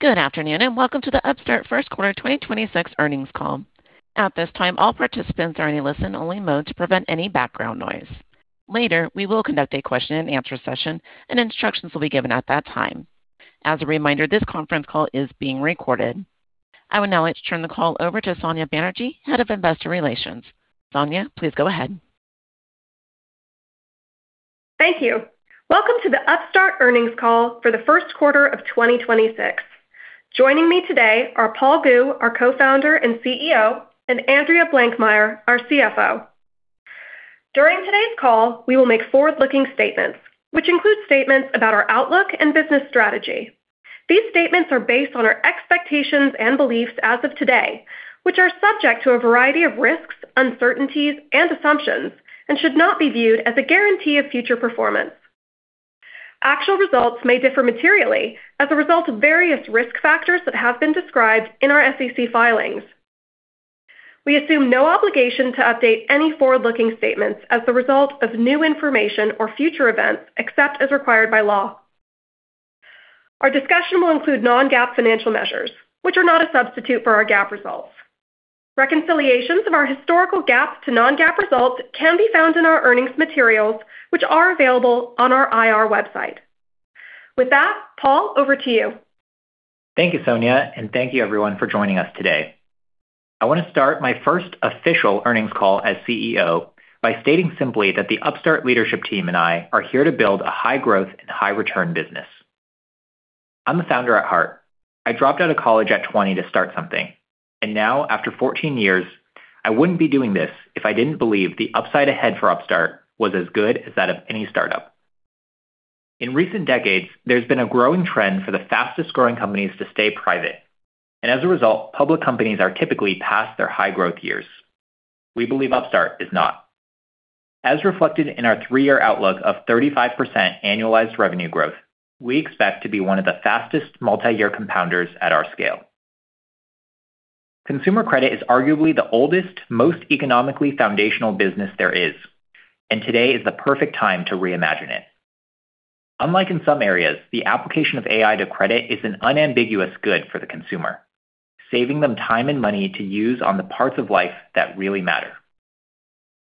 Good afternoon and welcome to the Upstart first quarter 2026 earnings call. At this time, all participants are in a listen-only mode to prevent any background noise. Later, we will conduct a question and answer session and instructions will be given at that time. As a reminder, this conference call is being recorded. I would now like to turn the call over to Sonya Banerjee, Head of Investor Relations. Sonya, please go ahead. Thank you. Welcome to the Upstart earnings call for the first quarter of 2026. Joining me today are Paul Gu, our Co-founder and CEO and Andrea Blankmeyer, our CFO. During today's call, we will make forward-looking statements which include statements about our outlook and business strategy. These statements are based on our expectations and beliefs as of today, which are subject to a variety of risks, uncertainties and assumptions, and should not be viewed as a guarantee of future performance. Actual results may differ materially as a result of various risk factors that have been described in our SEC filings. We assume no obligation to update any forward-looking statements as a result of new information or future events, except as required by law. Our discussion will include non-GAAP financial measures, which are not a substitute for our GAAP results. Reconciliations of our historical GAAP to non-GAAP results can be found in our earnings materials, which are available on our IR website. With that, Paul, over to you. Thank you, Sonya, and thank you everyone for joining us today. I want to start my first official earnings call as CEO by stating simply that the Upstart leadership team and I are here to build a high-growth and high-return business. I'm a founder at heart. I dropped out of college at 20 to start something, and now after 14 years, I wouldn't be doing this if I didn't believe the upside ahead for Upstart was as good as that of any startup. In recent decades, there's been a growing trend for the fastest-growing companies to stay private. As a result, public companies are typically past their high-growth years. We believe Upstart is not. As reflected in our three-year outlook of 35% annualized revenue growth, we expect to be one of the fastest multi-year compounders at our scale. Consumer credit is arguably the oldest, most economically foundational business there is, and today is the perfect time to reimagine it. Unlike in some areas, the application of AI to credit is an unambiguous good for the consumer, saving them time and money to use on the parts of life that really matter.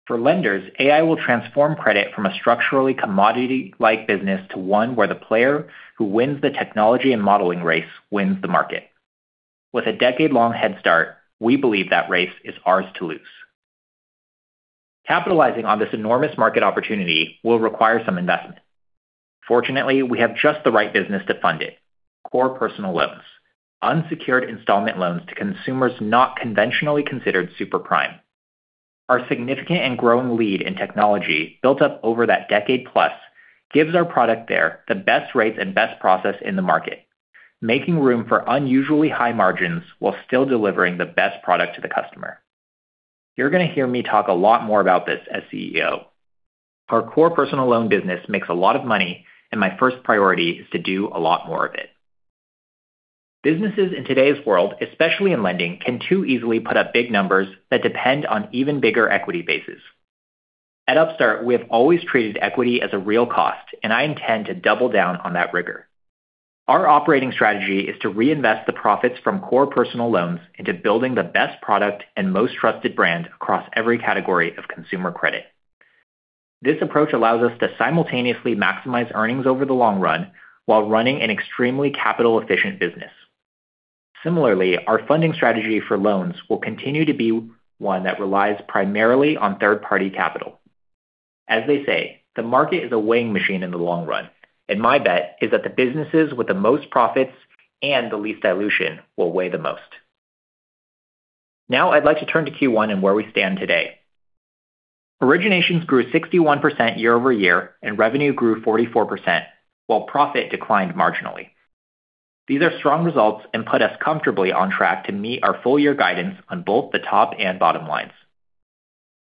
For lenders, AI will transform credit from a structurally commodity-like business to one where the player who wins the technology and modeling race wins the market. With a decade-long head start, we believe that race is ours to lose. Capitalizing on this enormous market opportunity will require some investment. Fortunately, we have just the right business to fund it, core personal loans, unsecured installment loans to consumers not conventionally considered super-prime. Our significant and growing lead in technology built up over that decade plus gives our product there the best rates and best process in the market, making room for unusually high margins while still delivering the best product to the customer. You're going to hear me talk a lot more about this as CEO. Our core personal loan business makes a lot of money, and my first priority is to do a lot more of it. Businesses in today's world, especially in lending, can too easily put up big numbers that depend on even bigger equity bases. At Upstart, we have always treated equity as a real cost, and I intend to double down on that rigor. Our operating strategy is to reinvest the profits from core personal loans into building the best product and most trusted brand across every category of consumer credit. This approach allows us to simultaneously maximize earnings over the long run while running an extremely capital-efficient business. Similarly, our funding strategy for loans will continue to be one that relies primarily on third-party capital. As they say, the market is a weighing machine in the long run, and my bet is that the businesses with the most profits and the least dilution will weigh the most. Now I'd like to turn to Q1 and where we stand today. Originations grew 61% year-over-year, and revenue grew 44%, while profit declined marginally. These are strong results and put us comfortably on track to meet our full year guidance on both the top and bottom lines.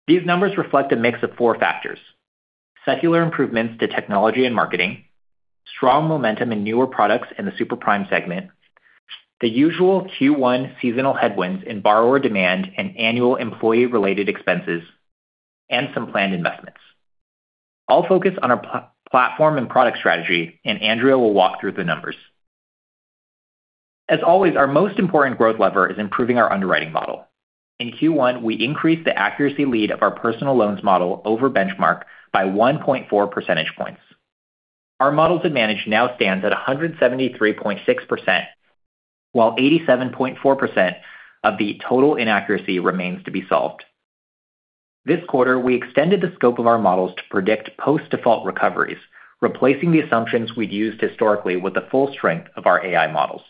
These numbers reflect a mix of four factors: secular improvements to technology and marketing, strong momentum in newer products in the super-prime segment, the usual Q1 seasonal headwinds in borrower demand and annual employee-related expenses, and some planned investments. I'll focus on our platform and product strategy. Andrea will walk through the numbers. As always, our most important growth lever is improving our underwriting model. In Q1, we increased the accuracy lead of our personal loans model over benchmark by 1.4 percentage points. Our models advantage now stands at 173.6%, while 87.4% of the total inaccuracy remains to be solved. This quarter, we extended the scope of our models to predict post-default recoveries, replacing the assumptions we'd used historically with the full strength of our AI models.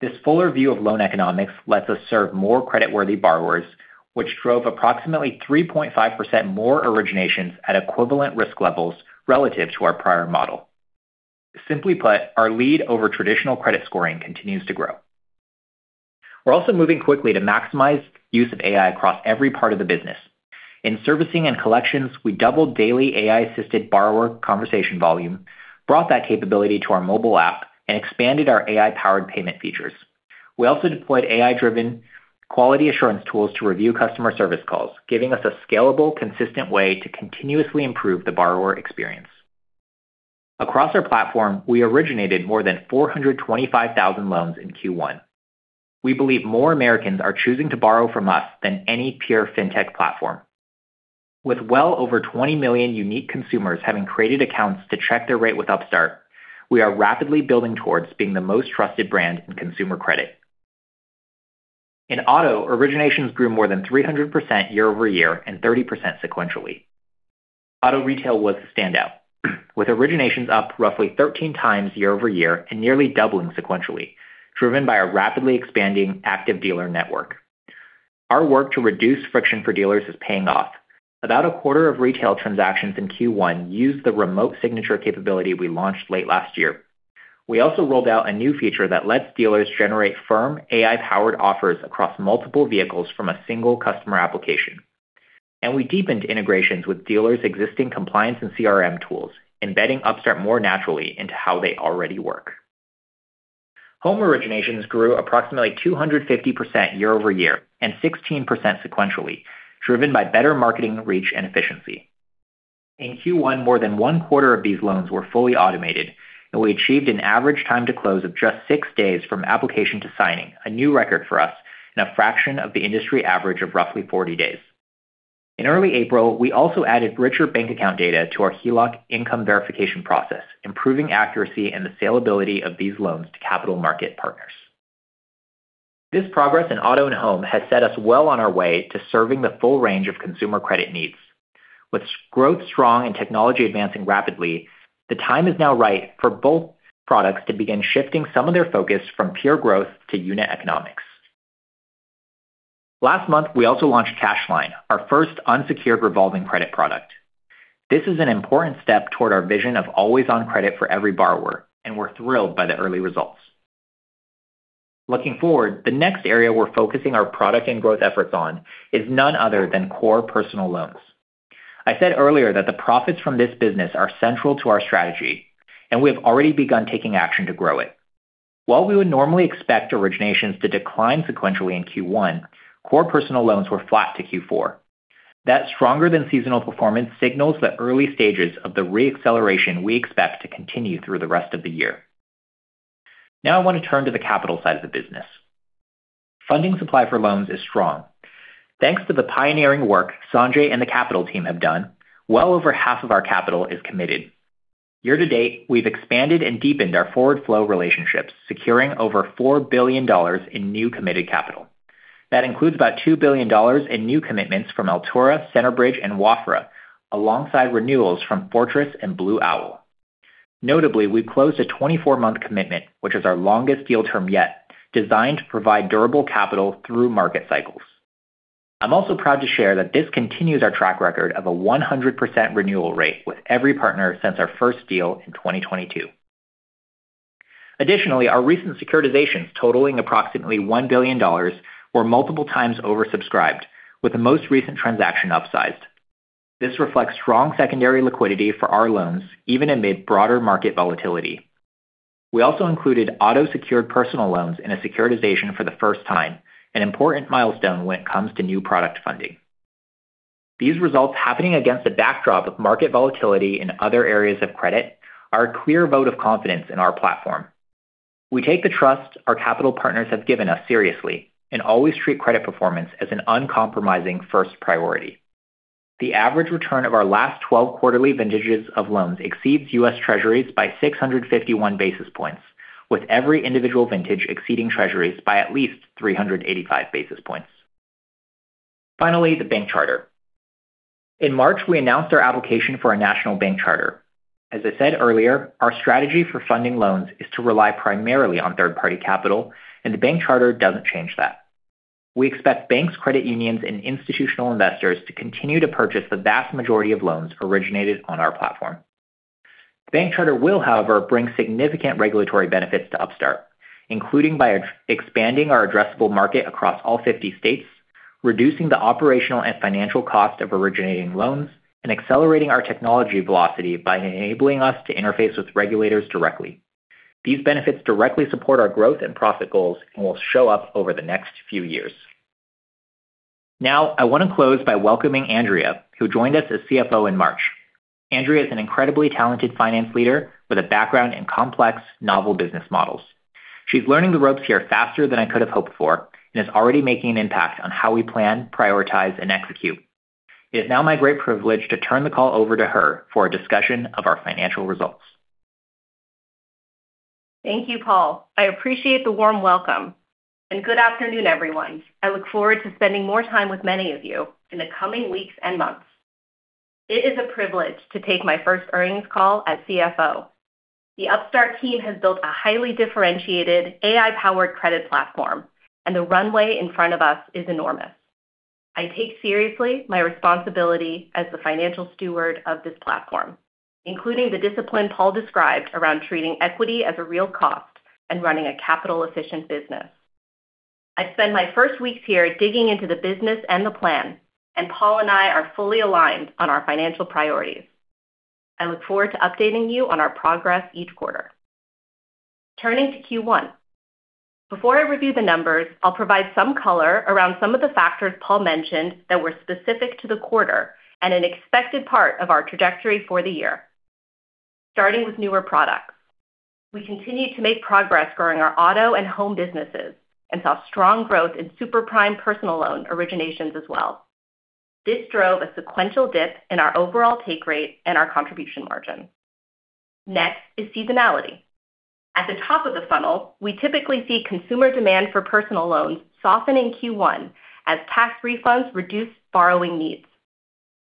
This fuller view of loan economics lets us serve more creditworthy borrowers, which drove approximately 3.5% more originations at equivalent risk levels relative to our prior model. Simply put, our lead over traditional credit scoring continues to grow. We're also moving quickly to maximize use of AI across every part of the business. In servicing and collections, we doubled daily AI-assisted borrower conversation volume, brought that capability to our mobile app, and expanded our AI-powered payment features. We also deployed AI-driven quality assurance tools to review customer service calls, giving us a scalable, consistent way to continuously improve the borrower experience. Across our platform, we originated more than 425,000 loans in Q1. We believe more Americans are choosing to borrow from us than any pure fintech platform. With well over 20 million unique consumers having created accounts to check their rate with Upstart, we are rapidly building towards being the most trusted brand in consumer credit. In auto, originations grew more than 300% year-over-year and 30% sequentially. Auto Retail was the standout, with originations up roughly 13x year-over-year and nearly doubling sequentially, driven by our rapidly expanding active dealer network. Our work to reduce friction for dealers is paying off. About a quarter of retail transactions in Q1 used the remote signature capability we launched late last year. We also rolled out a new feature that lets dealers generate firm AI-powered offers across multiple vehicles from a single customer application. We deepened integrations with dealers' existing compliance and CRM tools, embedding Upstart more naturally into how they already work. Home originations grew approximately 250% year-over-year and 16% sequentially, driven by better marketing reach and efficiency. In Q1, more than one quarter of these loans were fully automated, and we achieved an average time to close of just six days from application to signing, a new record for us, and a fraction of the industry average of roughly 40 days. In early April, we also added richer bank account data to our HELOC income verification process, improving accuracy and the salability of these loans to capital market partners. This progress in auto and home has set us well on our way to serving the full range of consumer credit needs. With growth strong and technology advancing rapidly, the time is now right for both products to begin shifting some of their focus from pure growth to unit economics. Last month, we also launched Cash Line, our first unsecured revolving credit product. This is an important step toward our vision of always-on credit for every borrower, and we're thrilled by the early results. Looking forward, the next area we're focusing our product and growth efforts on is none other than core personal loans. I said earlier that the profits from this business are central to our strategy, and we have already begun taking action to grow it. While we would normally expect originations to decline sequentially in Q1, core personal loans were flat to Q4. That stronger-than-seasonal performance signals the early stages of the re-acceleration we expect to continue through the rest of the year. Now I want to turn to the capital side of the business. Funding supply for loans is strong. Thanks to the pioneering work Sanjay and the capital team have done, well over half of our capital is committed. Year-to-date, we've expanded and deepened our forward flow relationships, securing over $4 billion in new committed capital. That includes about $2 billion in new commitments from Altura, Centerbridge, and Wafra, alongside renewals from Fortress and Blue Owl. Notably, we closed a 24-month commitment, which is our longest deal term yet, designed to provide durable capital through market cycles. I'm also proud to share that this continues our track record of a 100% renewal rate with every partner since our first deal in 2022. Additionally, our recent securitizations totaling approximately $1 billion were multiple times oversubscribed, with the most recent transaction upsized. This reflects strong secondary liquidity for our loans, even amid broader market volatility. We also included auto-secured personal loans in a securitization for the first time, an important milestone when it comes to new product funding. These results happening against the backdrop of market volatility in other areas of credit are a clear vote of confidence in our platform. We take the trust our capital partners have given us seriously, always treat credit performance as an uncompromising first priority. The average return of our last 12 quarterly vintages of loans exceeds U.S. Treasuries by 651 basis points, with every individual vintage exceeding Treasuries by at least 385 basis points. Finally, the bank charter. In March, we announced our application for a national bank charter. As I said earlier, our strategy for funding loans is to rely primarily on third-party capital, the bank charter doesn't change that. We expect banks, credit unions, and institutional investors to continue to purchase the vast majority of loans originated on our platform. The bank charter will, however, bring significant regulatory benefits to Upstart, including by expanding our addressable market across all 50 states, reducing the operational and financial cost of originating loans, and accelerating our technology velocity by enabling us to interface with regulators directly. These benefits directly support our growth and profit goals and will show up over the next few years. Now, I want to close by welcoming Andrea, who joined us as CFO in March. Andrea is an incredibly talented finance leader with a background in complex novel business models. She's learning the ropes here faster than I could have hoped for and is already making an impact on how we plan, prioritize, and execute. It is now my great privilege to turn the call over to her for a discussion of our financial results. Thank you, Paul. I appreciate the warm welcome. Good afternoon, everyone. I look forward to spending more time with many of you in the coming weeks and months. It is a privilege to take my first earnings call as CFO. The Upstart team has built a highly differentiated AI-powered credit platform, and the runway in front of us is enormous. I take seriously my responsibility as the financial steward of this platform, including the discipline Paul described around treating equity as a real cost and running a capital-efficient business. I spent my first weeks here digging into the business and the plan, and Paul and I are fully aligned on our financial priorities. I look forward to updating you on our progress each quarter. Turning to Q1. Before I review the numbers, I'll provide some color around some of the factors Paul mentioned that were specific to the quarter and an expected part of our trajectory for the year. Starting with newer products. We continue to make progress growing our auto and home businesses and saw strong growth in super-prime personal loan originations as well. This drove a sequential dip in our overall take rate and our contribution margin. Next is seasonality. At the top of the funnel, we typically see consumer demand for personal loans soften in Q1 as tax refunds reduce borrowing needs.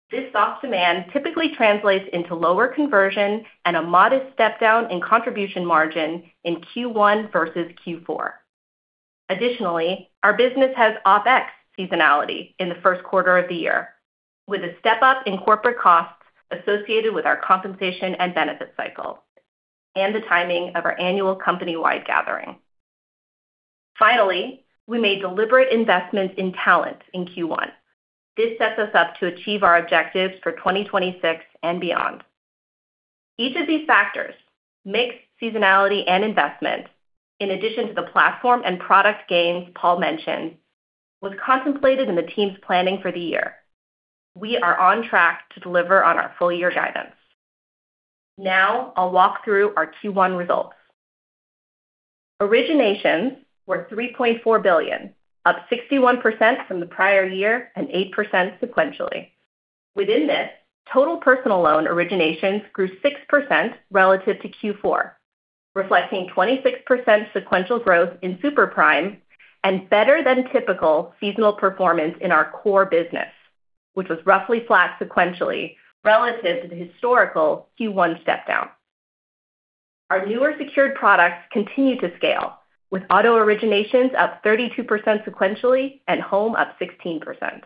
This soft demand typically translates into lower conversion and a modest step down in contribution margin in Q1 versus Q4. Our business has OpEx seasonality in the first quarter of the year, with a step-up in corporate costs associated with our compensation and benefit cycle and the timing of our annual company-wide gathering. We made deliberate investments in talent in Q1. This sets us up to achieve our objectives for 2026 and beyond. Each of these factors, mix, seasonality, and investment, in addition to the platform and product gains Paul mentioned, was contemplated in the team's planning for the year. We are on track to deliver on our full year guidance. Now, I'll walk through our Q1 results. Originations were $3.4 billion, up 61% from the prior year and 8% sequentially. Within this, total personal loan originations grew 6% relative to Q4, reflecting 26% sequential growth in super-prime and better than typical seasonal performance in our core business, which was roughly flat sequentially relative to the historical Q1 step down. Our newer secured products continue to scale, with auto originations up 32% sequentially and home up 16%.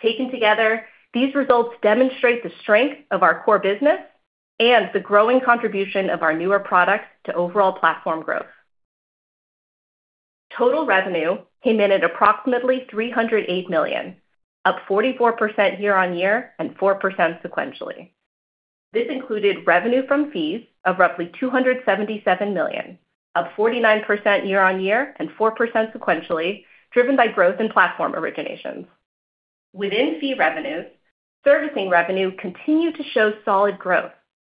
Taken together, these results demonstrate the strength of our core business and the growing contribution of our newer products to overall platform growth. Total revenue came in at approximately $308 million, up 44% year-on-year and 4% sequentially. This included revenue from fees of roughly $277 million, up 49% year-on-year and 4% sequentially, driven by growth in platform originations. Within fee revenues, servicing revenue continued to show solid growth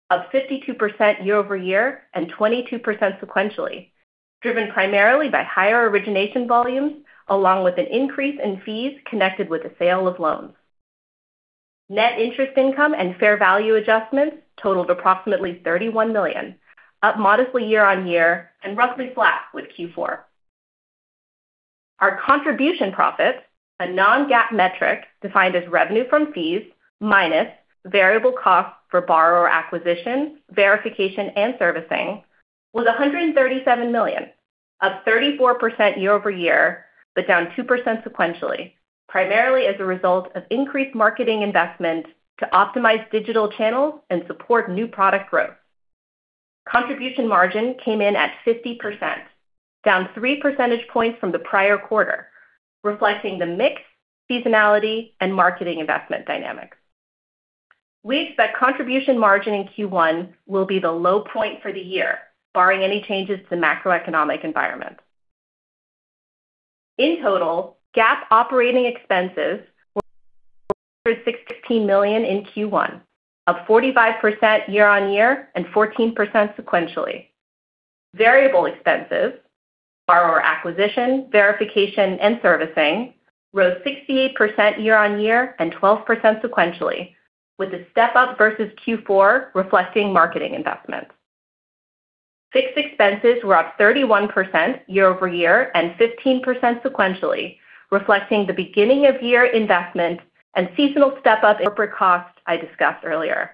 of 52% year-over-year and 22% sequentially, driven primarily by higher origination volumes along with an increase in fees connected with the sale of loans. Net interest income and fair value adjustments totaled approximately $31 million, up modestly year-on-year and roughly flat with Q4. Our contribution profits, a non-GAAP metric defined as revenue from fees minus variable costs for borrower acquisition, verification, and servicing, was $137 million, up 34% year-over-year, but down 2% sequentially, primarily as a result of increased marketing investments to optimize digital channels and support new product growth. Contribution margin came in at 50%, down 3 percentage points from the prior quarter, reflecting the mix, seasonality, and marketing investment dynamics. We expect contribution margin in Q1 will be the low point for the year, barring any changes to the macroeconomic environment. In total, GAAP operating expenses were $16 million in Q1, up 45% year-on-year and 14% sequentially. Variable expenses, borrower acquisition, verification, and servicing rose 68% year-on-year and 12% sequentially, with a step up versus Q4 reflecting marketing investments. Fixed expenses were up 31% year-over-year and 15% sequentially, reflecting the beginning-of-year investment and seasonal step-up corporate costs I discussed earlier.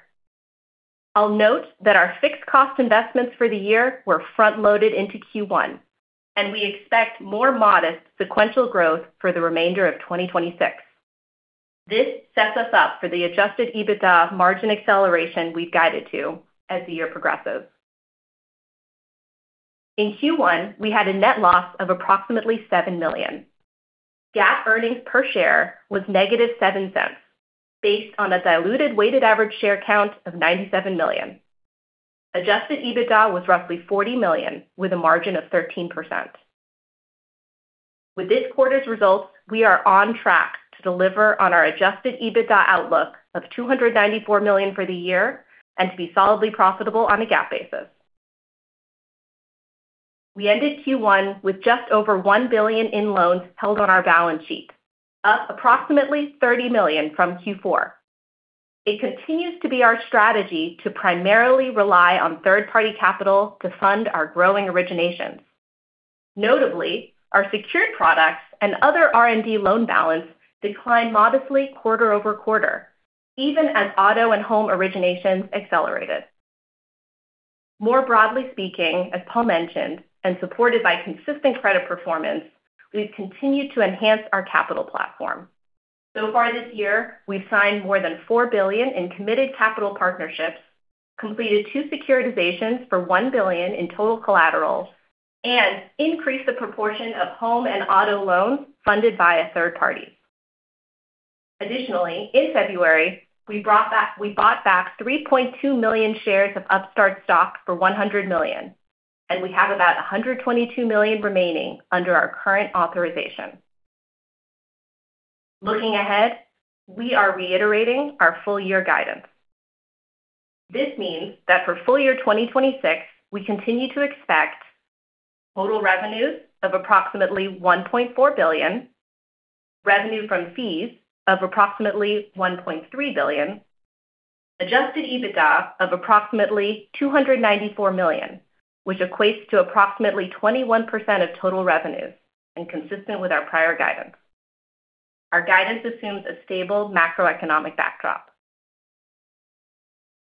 I'll note that our fixed cost investments for the year were front-loaded into Q1, and we expect more modest sequential growth for the remainder of 2026. This sets us up for the adjusted EBITDA margin acceleration we've guided to as the year progresses. In Q1, we had a net loss of approximately $7 million. GAAP earnings per share was -$0.07 based on a diluted weighted average share count of 97 million. Adjusted EBITDA was roughly $40 million with a margin of 13%. With this quarter's results, we are on track to deliver on our adjusted EBITDA outlook of $294 million for the year and to be solidly profitable on a GAAP basis. We ended Q1 with just over $1 billion in loans held on our balance sheet, up approximately $30 million from Q4. It continues to be our strategy to primarily rely on third-party capital to fund our growing originations. Notably, our secured products and other R&D loan balance declined modestly quarter-over-quarter, even as auto and home originations accelerated. More broadly speaking, as Paul mentioned, and supported by consistent credit performance, we've continued to enhance our capital platform. Far this year, we've signed more than $4 billion in committed capital partnerships, completed two securitizations for $1 billion in total collaterals, and increased the proportion of home and auto loans funded by a third-party. Additionally, in February, we bought back 3.2 million shares of Upstart stock for $100 million, and we have about $122 million remaining under our current authorization. Looking ahead, we are reiterating our full year guidance. This means that for full year 2026, we continue to expect total revenues of approximately $1.4 billion, revenue from fees of approximately $1.3 billion, adjusted EBITDA of approximately $294 million, which equates to approximately 21% of total revenues and consistent with our prior guidance. Our guidance assumes a stable macroeconomic backdrop.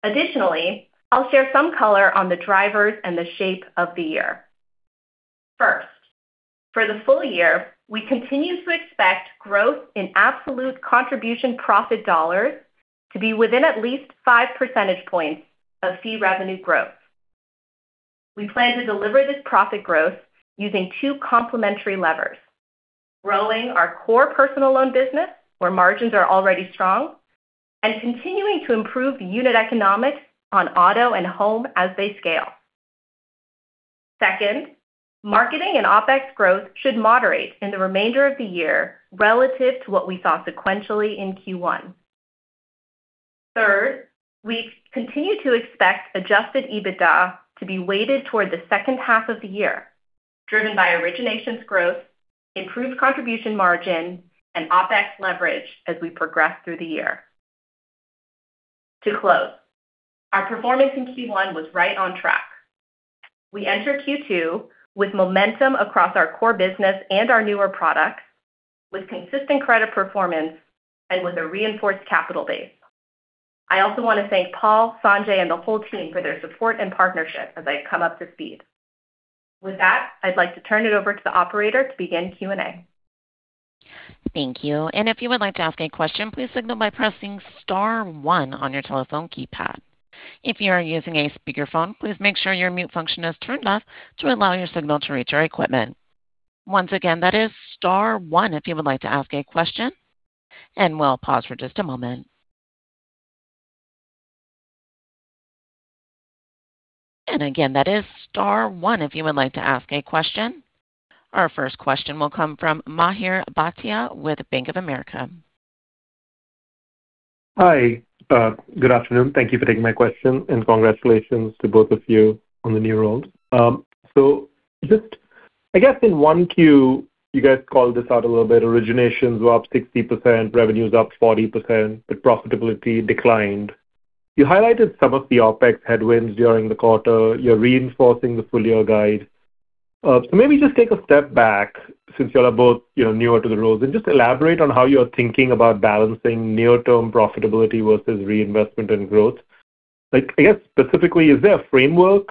Additionally, I'll share some color on the drivers and the shape of the year. First, for the full year, we continue to expect growth in absolute contribution profit dollars to be within at least 5 percentage points of fee revenue growth. We plan to deliver this profit growth using two complementary levers, growing our core personal loan business, where margins are already strong, and continuing to improve unit economics on auto and home as they scale. Second, marketing and OpEx growth should moderate in the remainder of the year relative to what we saw sequentially in Q1. Third, we continue to expect adjusted EBITDA to be weighted toward the second half of the year, driven by originations growth, improved contribution margin, and OpEx leverage as we progress through the year. To close, our performance in Q1 was right on track. We enter Q2 with momentum across our core business and our newer products with consistent credit performance and with a reinforced capital base. I also want to thank Paul, Sanjay and the whole team for their support and partnership as I've come up to speed. With that, I'd like to turn it over to the operator to begin Q&A. Thank you. If you would like to ask a question, please signal by pressing star one on your telephone keypad. If you are using a speakerphone, please make sure your mute function is turned off to allow your signal to reach our equipment. Once again, that is star one if you would like to ask a question and we'll pause for just a moment. Again, that is star one if you would like to ask a question. Our first question will come from Mihir Bhatia with Bank of America. Hi, good afternoon. Thank you for taking my question, and congratulations to both of you on the new roles. Just I guess in 1Q, you guys called this out a little bit. Originations were up 60%, revenues up 40%, but profitability declined. You highlighted some of the OpEx headwinds during the quarter. You're reinforcing the full year guide. Maybe just take a step back since y'all are both, you know, newer to the roles and just elaborate on how you're thinking about balancing near-term profitability versus reinvestment and growth. Like, I guess specifically, is there a framework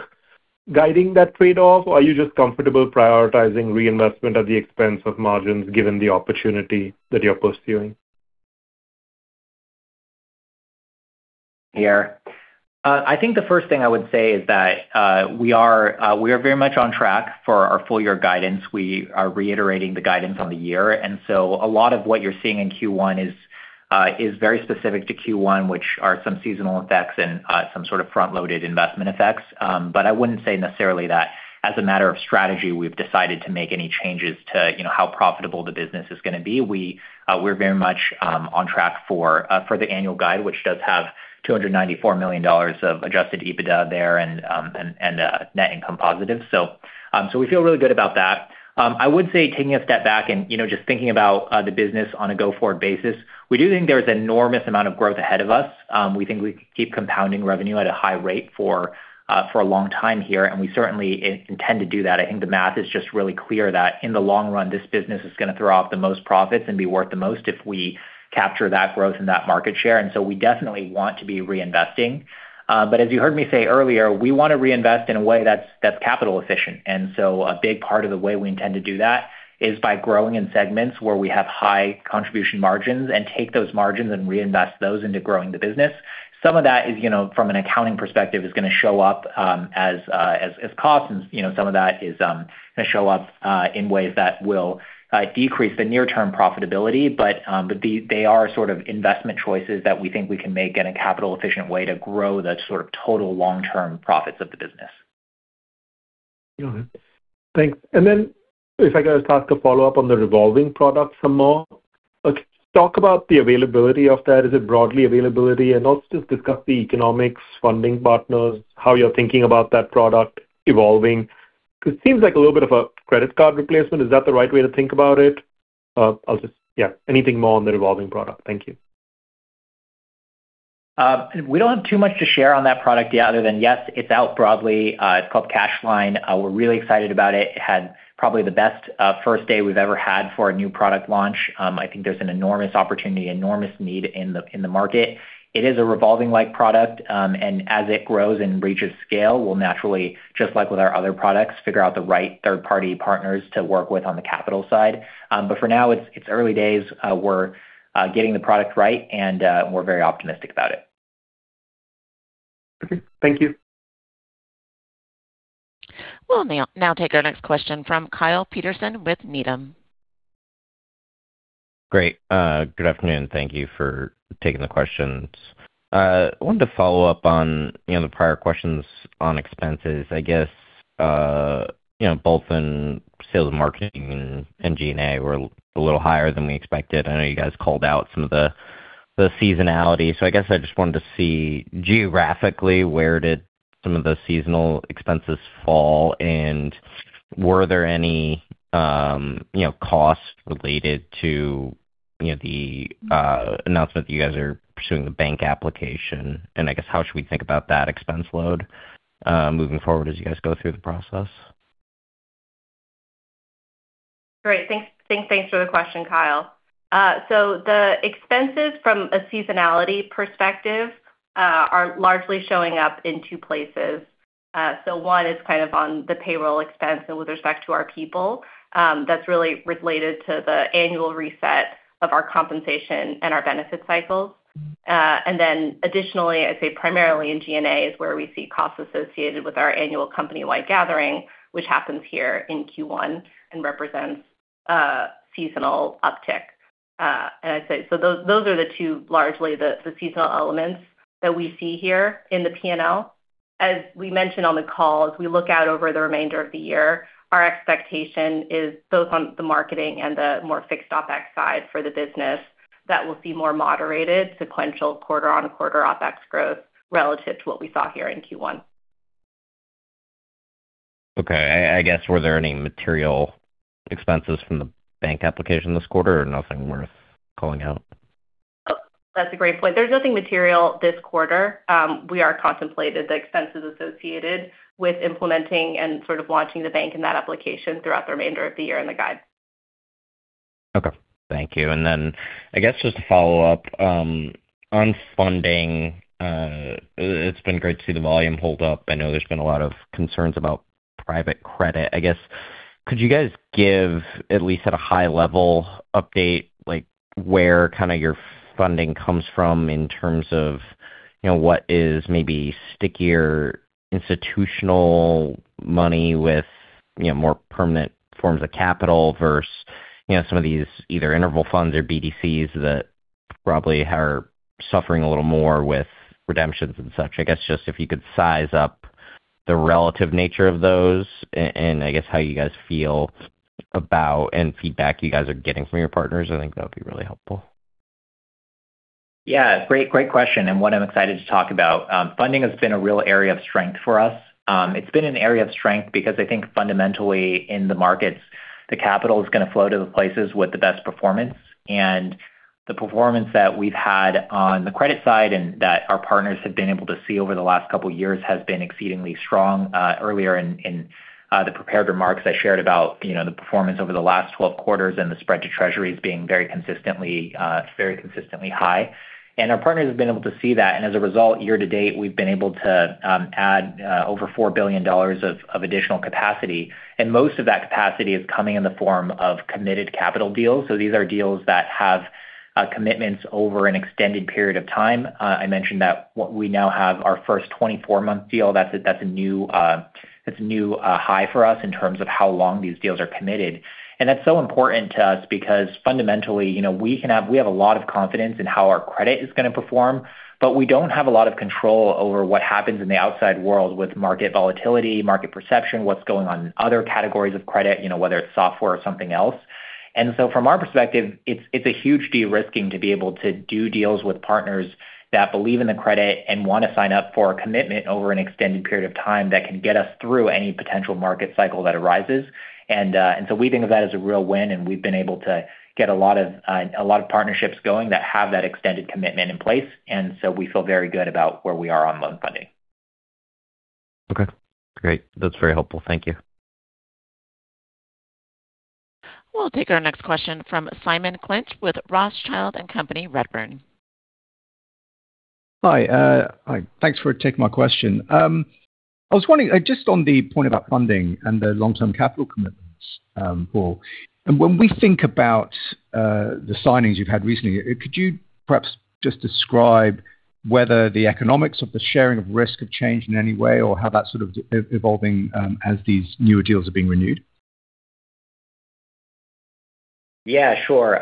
guiding that trade-off? Are you just comfortable prioritizing reinvestment at the expense of margins given the opportunity that you're pursuing? I think the first thing I would say is that we are very much on track for our full year guidance. We are reiterating the guidance on the year, a lot of what you're seeing in Q1 is very specific to Q1, which are some seasonal effects and some sort of front-loaded investment effects. I wouldn't say necessarily that as a matter of strategy, we've decided to make any changes to, you know, how profitable the business is going to be. We're very much on track for the annual guide, which does have $294 million of adjusted EBITDA there and net income positive. We feel really good about that. I would say taking a step back and, you know, just thinking about the business on a go-forward basis, we do think there's enormous amount of growth ahead of us. We think we can keep compounding revenue at a high rate for a long time here, and we certainly intend to do that. I think the math is just really clear that in the long run, this business is going to throw off the most profits and be worth the most if we capture that growth and that market share. We definitely want to be reinvesting. But as you heard me say earlier, we want to reinvest in a way that's capital efficient. A big part of the way we intend to do that is by growing in segments where we have high contribution margins and take those margins and reinvest those into growing the business. Some of that is, you know, from an accounting perspective, is going to show up as cost. You know, some of that is going to show up in ways that will decrease the near-term profitability. They are sort of investment choices that we think we can make in a capital efficient way to grow the sort of total long-term profits of the business. Got it. Thanks. If I could just ask a follow-up on the revolving product some more. Talk about the availability of that. Is it broadly availability? Just discuss the economics, funding partners, how you're thinking about that product evolving. Because it seems like a little bit of a credit card replacement. Is that the right way to think about it? Anything more on the revolving product? Thank you. We don't have too much to share on that product yet other than, yes, it's out broadly. It's called Cash Line. We're really excited about it. It had probably the best first day we've ever had for a new product launch. I think there's an enormous opportunity, enormous need in the market. It is a revolving-like product, and as it grows and reaches scale, we'll naturally, just like with our other products, figure out the right third-party partners to work with on the capital side. For now, it's early days. We're getting the product right, and we're very optimistic about it. Okay. Thank you. We'll now take our next question from Kyle Peterson with Needham. Great. Good afternoon. Thank you for taking the questions. I wanted to follow up on, you know, the prior questions on expenses. I guess, you know, both in sales and marketing and G&A were a little higher than we expected. I know you guys called out some of the seasonality. I guess I just wanted to see geographically where did some of the seasonal expenses fall, and were there any, you know, costs related to, you know, the announcement that you guys are pursuing the bank application? I guess, how should we think about that expense load moving forward as you guys go through the process? Great. Thanks for the question, Kyle. The expenses from a seasonality perspective are largely showing up in two places. One is kind of on the payroll expense and with respect to our people. That's really related to the annual reset of our compensation and our benefit cycles. Additionally, I'd say primarily in G&A is where we see costs associated with our annual company-wide gathering, which happens here in Q1 and represents a seasonal uptick. Those are the two, largely the seasonal elements that we see here in the P&L. As we mentioned on the call, as we look out over the remainder of the year, our expectation is both on the marketing and the more fixed OpEx side for the business that we'll see more moderated sequential quarter-on-quarter OpEx growth relative to what we saw here in Q1. Okay. I guess were there any material expenses from the bank application this quarter or nothing worth calling out? Oh, that's a great point. There's nothing material this quarter. We are contemplating the expenses associated with implementing and sort of launching the bank and that application throughout the remainder of the year in the guide. Okay. Thank you. I guess just to follow up on funding, it's been great to see the volume hold up. I know there's been a lot of concerns about private credit. I guess, could you guys give, at least at a high level update, like where kind of your funding comes from in terms of, you know, what is maybe stickier institutional money with, you know, more permanent forms of capital versus, you know, some of these either interval funds or [BDCs] that probably are suffering a little more with redemptions and such. I guess just if you could size up the relative nature of those, and I guess how you guys feel about and feedback you guys are getting from your partners, I think that would be really helpful. Great question, one I'm excited to talk about. Funding has been a real area of strength for us. It's been an area of strength because I think fundamentally in the markets, the capital is gonna flow to the places with the best performance. The performance that we've had on the credit side and that our partners have been able to see over the last couple of years has been exceedingly strong. Earlier in the prepared remarks I shared about, you know, the performance over the last 12 quarters and the spread to treasuries being very consistently high. Our partners have been able to see that, and as a result, year to date, we've been able to add over $4 billion of additional capacity. Most of that capacity is coming in the form of committed capital deals. These are deals that have commitments over an extended period of time. I mentioned that what we now have our first 24-month deal. That's a new high for us in terms of how long these deals are committed. That's so important to us because fundamentally, you know, we have a lot of confidence in how our credit is gonna perform, but we don't have a lot of control over what happens in the outside world with market volatility, market perception, what's going on in other categories of credit, you know, whether it's software or something else. From our perspective, it's a huge de-risking to be able to do deals with partners that believe in the credit and wanna sign up for a commitment over an extended period of time that can get us through any potential market cycle that arises. We think of that as a real win, and we've been able to get a lot of partnerships going that have that extended commitment in place. We feel very good about where we are on loan funding. Okay, great. That's very helpful. Thank you. We'll take our next question from Simon Clinch with Rothschild & Co Redburn. Hi, thanks for taking my question. I was wondering, just on the point about funding and the long-term capital commitments, Paul. When we think about the signings you've had recently, could you perhaps just describe whether the economics of the sharing of risk have changed in any way or how that's sort of evolving as these newer deals are being renewed? Yeah, sure.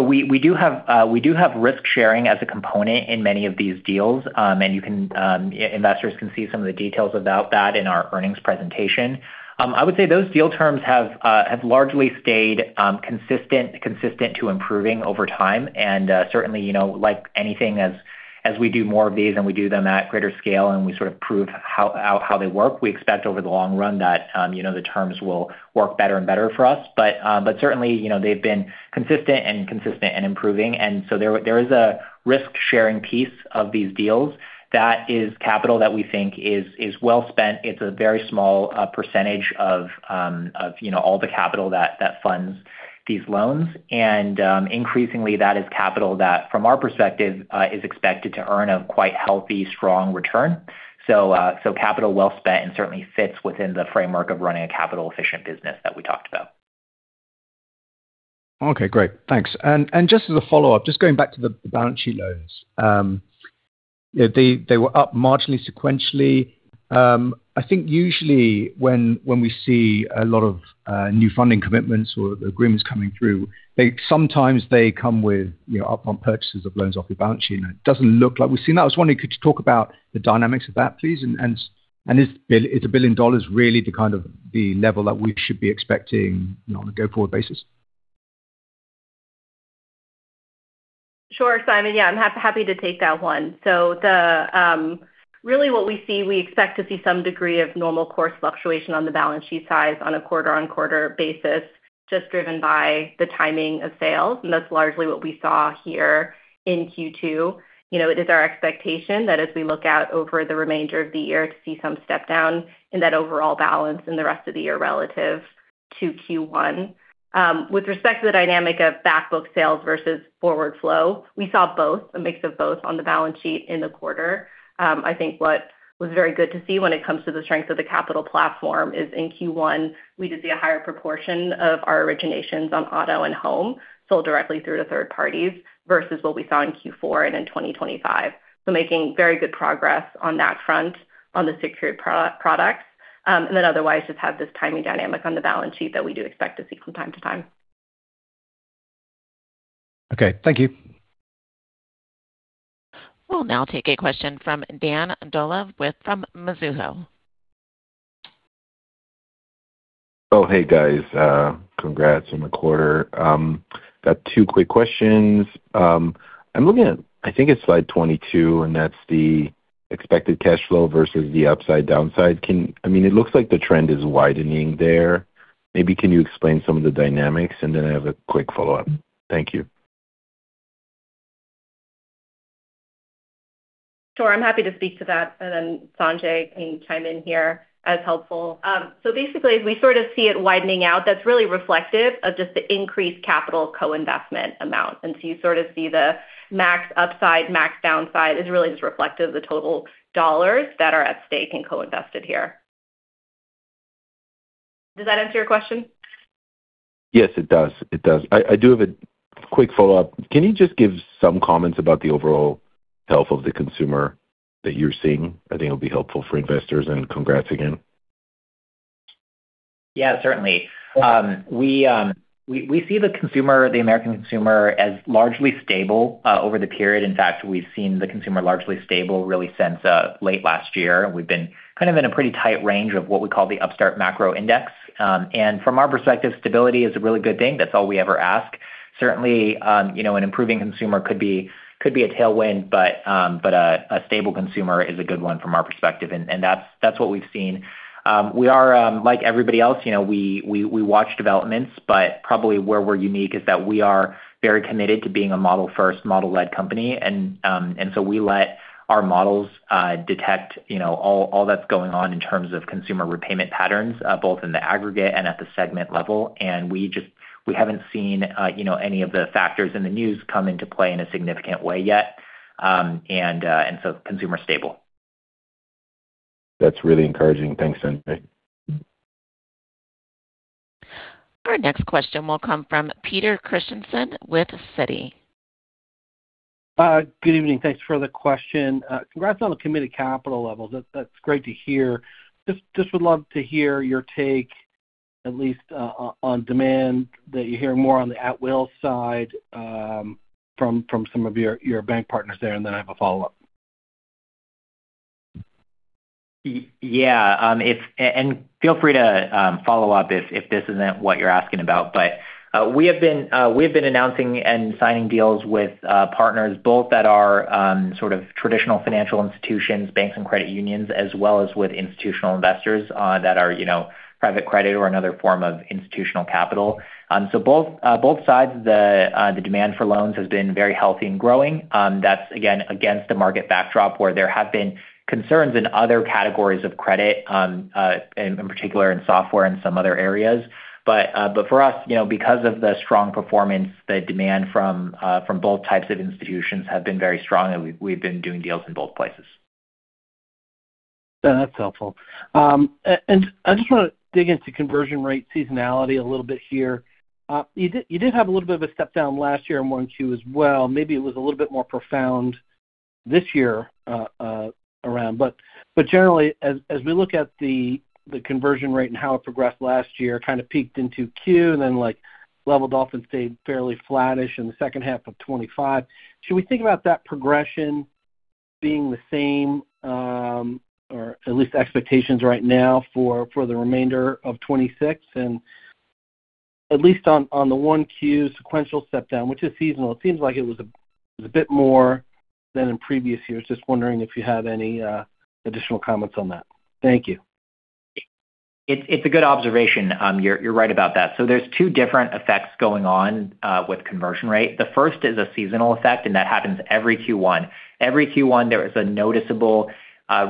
We do have risk sharing as a component in many of these deals. You can, investors can see some of the details about that in our earnings presentation. I would say those deal terms have largely stayed consistent to improving over time. Certainly, you know, like anything as we do more of these and we do them at greater scale and we sort of prove out how they work, we expect over the long run that, you know, the terms will work better and better for us. Certainly, you know, they've been consistent and improving. There is a risk-sharing piece of these deals that is capital that we think is well spent. It's a very small percentage of, you know, all the capital that funds these loans. Increasingly that is capital that, from our perspective, is expected to earn a quite healthy, strong return. Capital well spent and certainly fits within the framework of running a capital efficient business that we talked about. Okay, great. Thanks. Just as a follow-up, just going back to the balance sheet loans. You know, they were up marginally sequentially. I think usually when we see a lot of new funding commitments or agreements coming through, they sometimes they come with, you know, up on purchases of loans off your balance sheet, and it doesn't look like we've seen that. I was wondering, could you talk about the dynamics of that, please? Is $1 billion really the kind of the level that we should be expecting, you know, on a go-forward basis? Sure, Simon. I'm happy to take that one. The, really what we see, we expect to see some degree of normal course fluctuation on the balance sheet size on a quarter-on-quarter basis, just driven by the timing of sales, and that's largely what we saw here in Q2. You know, it is our expectation that as we look out over the remainder of the year to see some step-down in that overall balance in the rest of the year relative to Q1. With respect to the dynamic of back book sales versus forward flow, we saw both, a mix of both on the balance sheet in the quarter. I think what was very good to see when it comes to the strength of the capital platform is in Q1, we did see a higher proportion of our originations on auto and home sold directly through to third parties versus what we saw in Q4 and in 2025. [We're] making very good progress on that front on the secured product. Then otherwise, just have this timing dynamic on the balance sheet that we do expect to see from time to time. Okay. Thank you. We'll now take a question from Dan Dolev from Mizuho. Oh, hey, guys. Congrats on the quarter. Got two quick questions. I'm looking at, I think it's slide 22, and that's the expected cash flow versus the upside downside. I mean, it looks like the trend is widening there. Maybe can you explain some of the dynamics? Then I have a quick follow-up. Thank you. Sure. I'm happy to speak to that, and then Sanjay can chime in here as helpful. Basically, as we sort of see it widening out, that's really reflective of just the increased capital co-investment amount. You sort of see the max upside, max downside is really just reflective of the total dollars that are at stake and co-invested here. Does that answer your question? Yes, it does. It does. I do have a quick follow-up. Can you just give some comments about the overall health of the consumer that you're seeing? I think it'll be helpful for investors. Congrats again. Yeah, certainly. We see the consumer, the American consumer, as largely stable over the period. In fact, we've seen the consumer largely stable really since late last year. We've been kind of in a pretty tight range of what we call the Upstart Macro Index. From our perspective, stability is a really good thing. That's all we ever ask. Certainly, you know, an improving consumer could be a tailwind, but a stable consumer is a good one from our perspective. That's what we've seen. We are, like everybody else, you know, we watch developments, but probably where we're unique is that we are very committed to being a model-first, model-led company. We let our models detect, you know, all that's going on in terms of consumer repayment patterns, both in the aggregate and at the segment level. We haven't seen, you know, any of the factors in the news come into play in a significant way yet. Consumer stable. That's really encouraging. Thanks, [Sanjay]. Our next question will come from Peter Christiansen with Citi. Good evening. Thanks for the question. Congrats on the committed capital levels. That's great to hear. Just would love to hear your take, at least, on demand, that you hear more on the at will side, from some of your bank partners there, and then I have a follow-up. Feel free to follow up if this isn't what you're asking about. We've been announcing and signing deals with partners both that are sort of traditional financial institutions, banks and credit unions, as well as with institutional investors that are, you know, private credit or another form of institutional capital. Both sides of the demand for loans has been very healthy and growing. That's again against the market backdrop where there have been concerns in other categories of credit in particular in software and some other areas. But for us, you know, because of the strong performance, the demand from both types of institutions have been very strong, and we've been doing deals in both places. That's helpful. I just want to dig into conversion rate seasonality a little bit here. You did have a little bit of a step down last year in 1Q as well. Maybe it was a little bit more profound this year around. Generally, as we look at the conversion rate and how it progressed last year, kind of peaked in 2Q, then like leveled off and stayed fairly flattish in the second half of 2025. Should we think about that progression being the same, or at least expectations right now for the remainder of 2026? At least on the 1Q sequential step down, which is seasonal, it seems like it was a bit more than in previous years. Just wondering if you have any additional comments on that. Thank you. It's a good observation. You're right about that. There's two different effects going on with conversion rate. The first is a seasonal effect that happens every Q1. Every Q1, there is a noticeable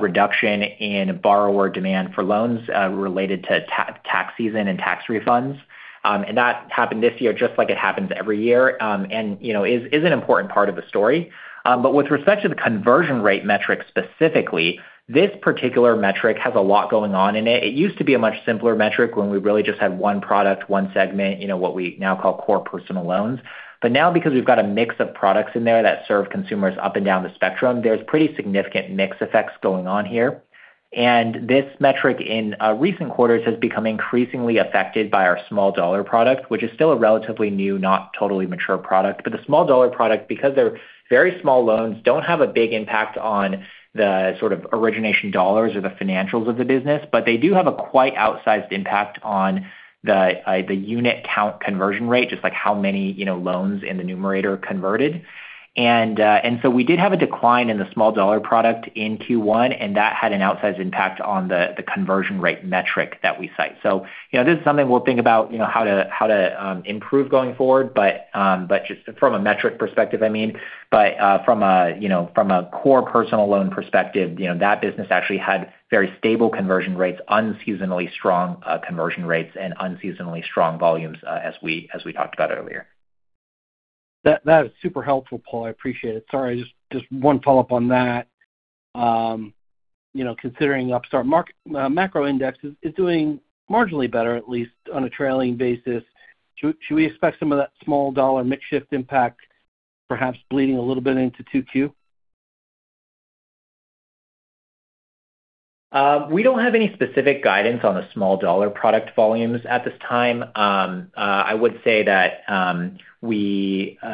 reduction in borrower demand for loans related to tax season and tax refunds. That happened this year just like it happens every year, and you know, is an important part of the story. With respect to the conversion rate metric specifically, this particular metric has a lot going on in it. It used to be a much simpler metric when we really just had one product, one segment, you know, what we now call core personal loans. Now because we've got a mix of products in there that serve consumers up and down the spectrum, there's pretty significant mix effects going on here. This metric in recent quarters has become increasingly affected by our small dollar product, which is still a relatively new, not totally mature product. The small dollar product, because they're very small loans, don't have a big impact on the sort of origination dollars or the financials of the business, but they do have a quite outsized impact on the unit count conversion rate, just like how many, you know, loans in the numerator converted. We did have a decline in the small dollar product in Q1, and that had an outsized impact on the conversion rate metric that we cite. You know, this is something we'll think about, you know, how to improve going forward. Just from a metric perspective, I mean. From a, you know, from a core personal loan perspective, you know, that business actually had very stable conversion rates, unseasonably strong conversion rates and unseasonably strong volumes, as we talked about earlier. That is super helpful, Paul. I appreciate it. Sorry, just one follow-up on that. You know, considering Upstart Macro Index is doing marginally better, at least on a trailing basis. Should we expect some of that small dollar mix shift impact perhaps bleeding a little bit into 2Q? We don't have any specific guidance on the small dollar product volumes at this time. I would say that, we, you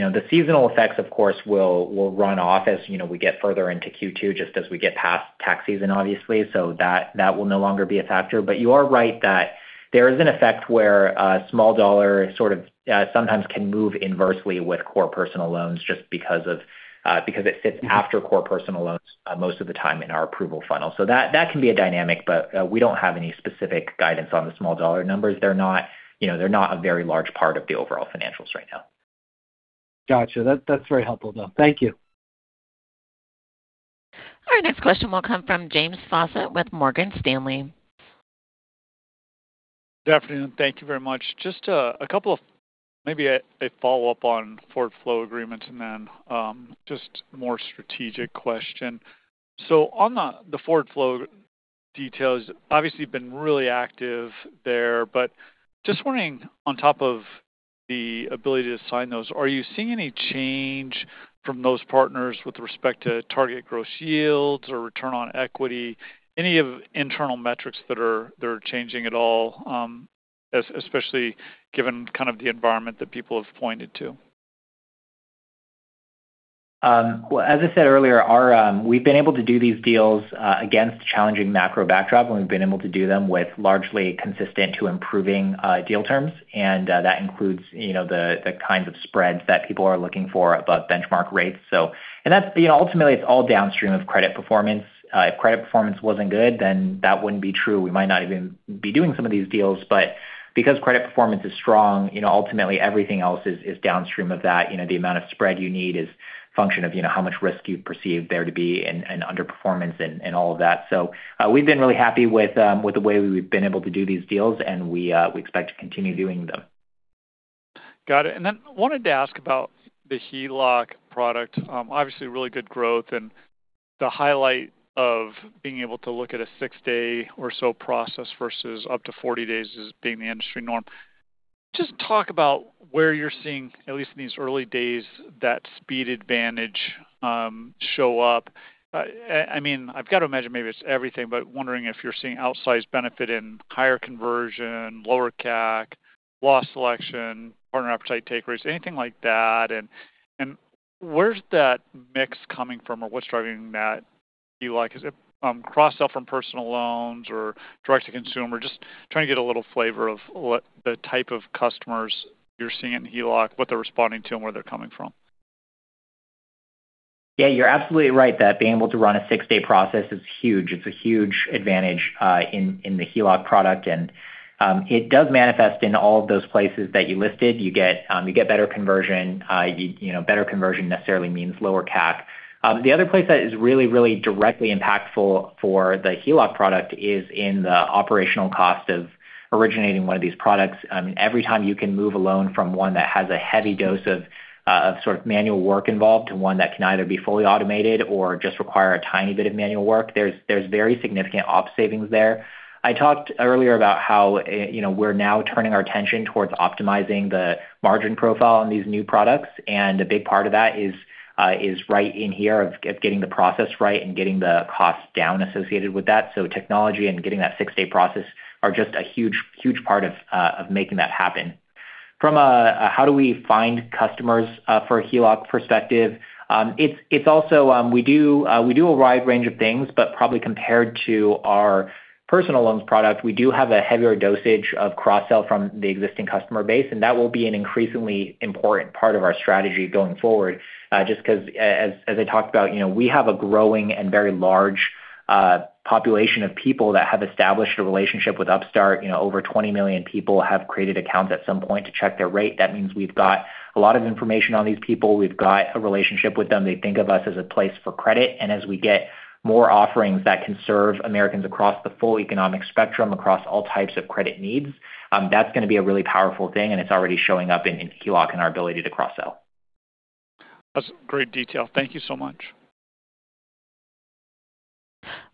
know, the seasonal effects, of course, will run off as, you know, we get further into Q2 just as we get past tax season, obviously. That will no longer be a factor. You are right that there is an effect where, small dollar sort of, sometimes can move inversely with core personal loans just because of, because it sits after core personal loans, most of the time in our approval funnel. That can be a dynamic, but we don't have any specific guidance on the small dollar numbers. They're not, you know, they're not a very large part of the overall financials right now. Gotcha. That's very helpful, though. Thank you. Our next question will come from James Faucette with Morgan Stanley. Good afternoon. Thank you very much. A couple of follow-up on forward flow agreements and then more strategic question. On the forward flow details, obviously you've been really active there, but wondering, on top of the ability to sign those, are you seeing any change from those partners with respect to target gross yields or return on equity? Any of internal metrics that are changing at all, especially given kind of the environment that people have pointed to? As I said earlier, we've been able to do these deals against challenging macro backdrop, we've been able to do them with largely consistent to improving deal terms. That includes, you know, the kinds of spreads that people are looking for above benchmark rates. That's, you know, ultimately it's all downstream of credit performance. If credit performance wasn't good, that wouldn't be true. We might not even be doing some of these deals. Because credit performance is strong, you know, ultimately everything else is downstream of that. You know, the amount of spread you need is function of, you know, how much risk you perceive there to be and underperformance and all of that. We've been really happy with the way we've been able to do these deals, and we expect to continue doing them. Got it. Wanted to ask about the HELOC product. Obviously really good growth and the highlight of being able to look at a six-day or so process versus up to 40 days as being the industry norm. Just talk about where you're seeing, at least in these early days, that speed advantage show up. I mean, I've got to imagine maybe it's everything, but wondering if you're seeing outsized benefit in higher conversion, lower CAC, loss selection, partner appetite takeaways, anything like that. Where's that mix coming from or what's driving that HELOC? Is it cross-sell from personal loans or direct to consumer? Just trying to get a little flavor of what the type of customers you're seeing in HELOC, what they're responding to, and where they're coming from. Yeah, you're absolutely right that being able to run a six-day process is huge. It's a huge advantage in the HELOC product. It does manifest in all of those places that you listed. You get better conversion. You know, better conversion necessarily means lower CAC. The other place that is really directly impactful for the HELOC product is in the operational cost of originating one of these products. I mean, every time you can move a loan from one that has a heavy dose of sort of manual work involved to one that can either be fully automated or just require a tiny bit of manual work, there's very significant op savings there. I talked earlier about how, you know, we're now turning our attention towards optimizing the margin profile on these new products, and a big part of that is right in here of getting the process right and getting the cost down associated with that. Technology and getting that six-day process are just a huge, huge part of making that happen. From a how do we find customers for HELOC perspective, it's also, we do a wide range of things, but probably compared to our personal loans product, we do have a heavier dosage of cross-sell from the existing customer base. That will be an increasingly important part of our strategy going forward. Just as I talked about, you know, we have a growing and very large population of people that have established a relationship with Upstart. You know, over 20 million people have created accounts at some point to check their rate. That means we've got a lot of information on these people. We've got a relationship with them. They think of us as a place for credit. As we get more offerings that can serve Americans across the full economic spectrum, across all types of credit needs, that's gonna be a really powerful thing, and it's already showing up in HELOC and our ability to cross-sell. That's great detail. Thank you so much.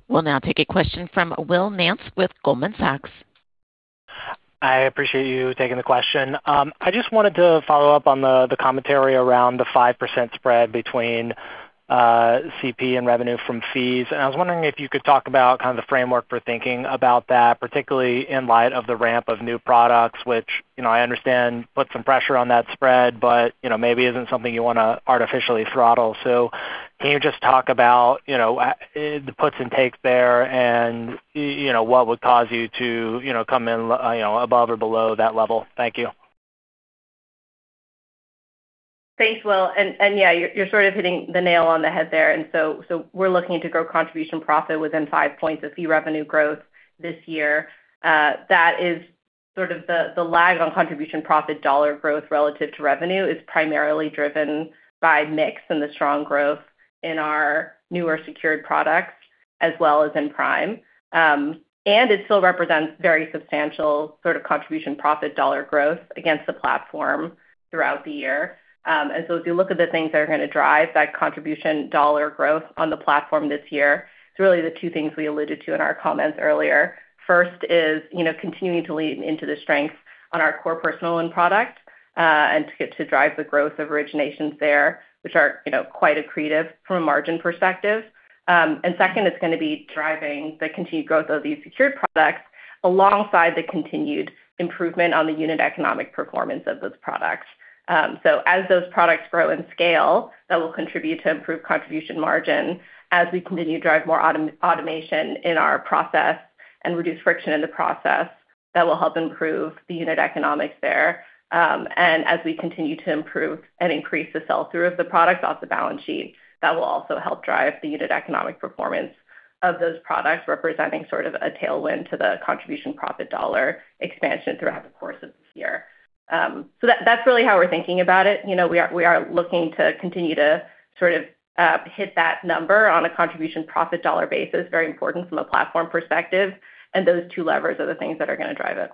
We'll now take a question from Will Nance with Goldman Sachs. I appreciate you taking the question. I just wanted to follow up on the commentary around the 5% spread between CP and revenue from fees. I was wondering if you could talk about kind of the framework for thinking about that, particularly in light of the ramp of new products, which, you know, I understand put some pressure on that spread, but, you know, maybe isn't something you wanna artificially throttle. Can you just talk about, you know, the puts and takes there and, you know, what would cause you to, you know, come in, you know, above or below that level? Thank you. Thanks, Will. Yeah, you're sort of hitting the nail on the head there. We're looking to grow contribution profit within 5 points of fee revenue growth this year. That is sort of the lag on contribution profit dollar growth relative to revenue is primarily driven by mix and the strong growth in our newer secured products as well as in prime. It still represents very substantial sort of contribution profit dollar growth against the platform throughout the year. If you look at the things that are gonna drive that contribution dollar growth on the platform this year, it's really the two things we alluded to in our comments earlier. First is, you know, continuing to lean into the strength on our core personal loan product and to drive the growth of originations there, which are, you know, quite accretive from a margin perspective. Second, it's going to be driving the continued growth of these secured products alongside the continued improvement on the unit economic performance of those products. As those products grow in scale, that will contribute to improved contribution margin. As we continue to drive more automation in our process and reduce friction in the process, that will help improve the unit economics there. As we continue to improve and increase the sell-through of the product off the balance sheet, that will also help drive the unit economic performance of those products, representing sort of a tailwind to the contribution profit dollar expansion throughout the course of this year. That's really how we're thinking about it. You know, we are looking to continue to sort of hit that number on a contribution profit dollar basis, very important from a platform perspective, and those two levers are the things that are gonna drive it.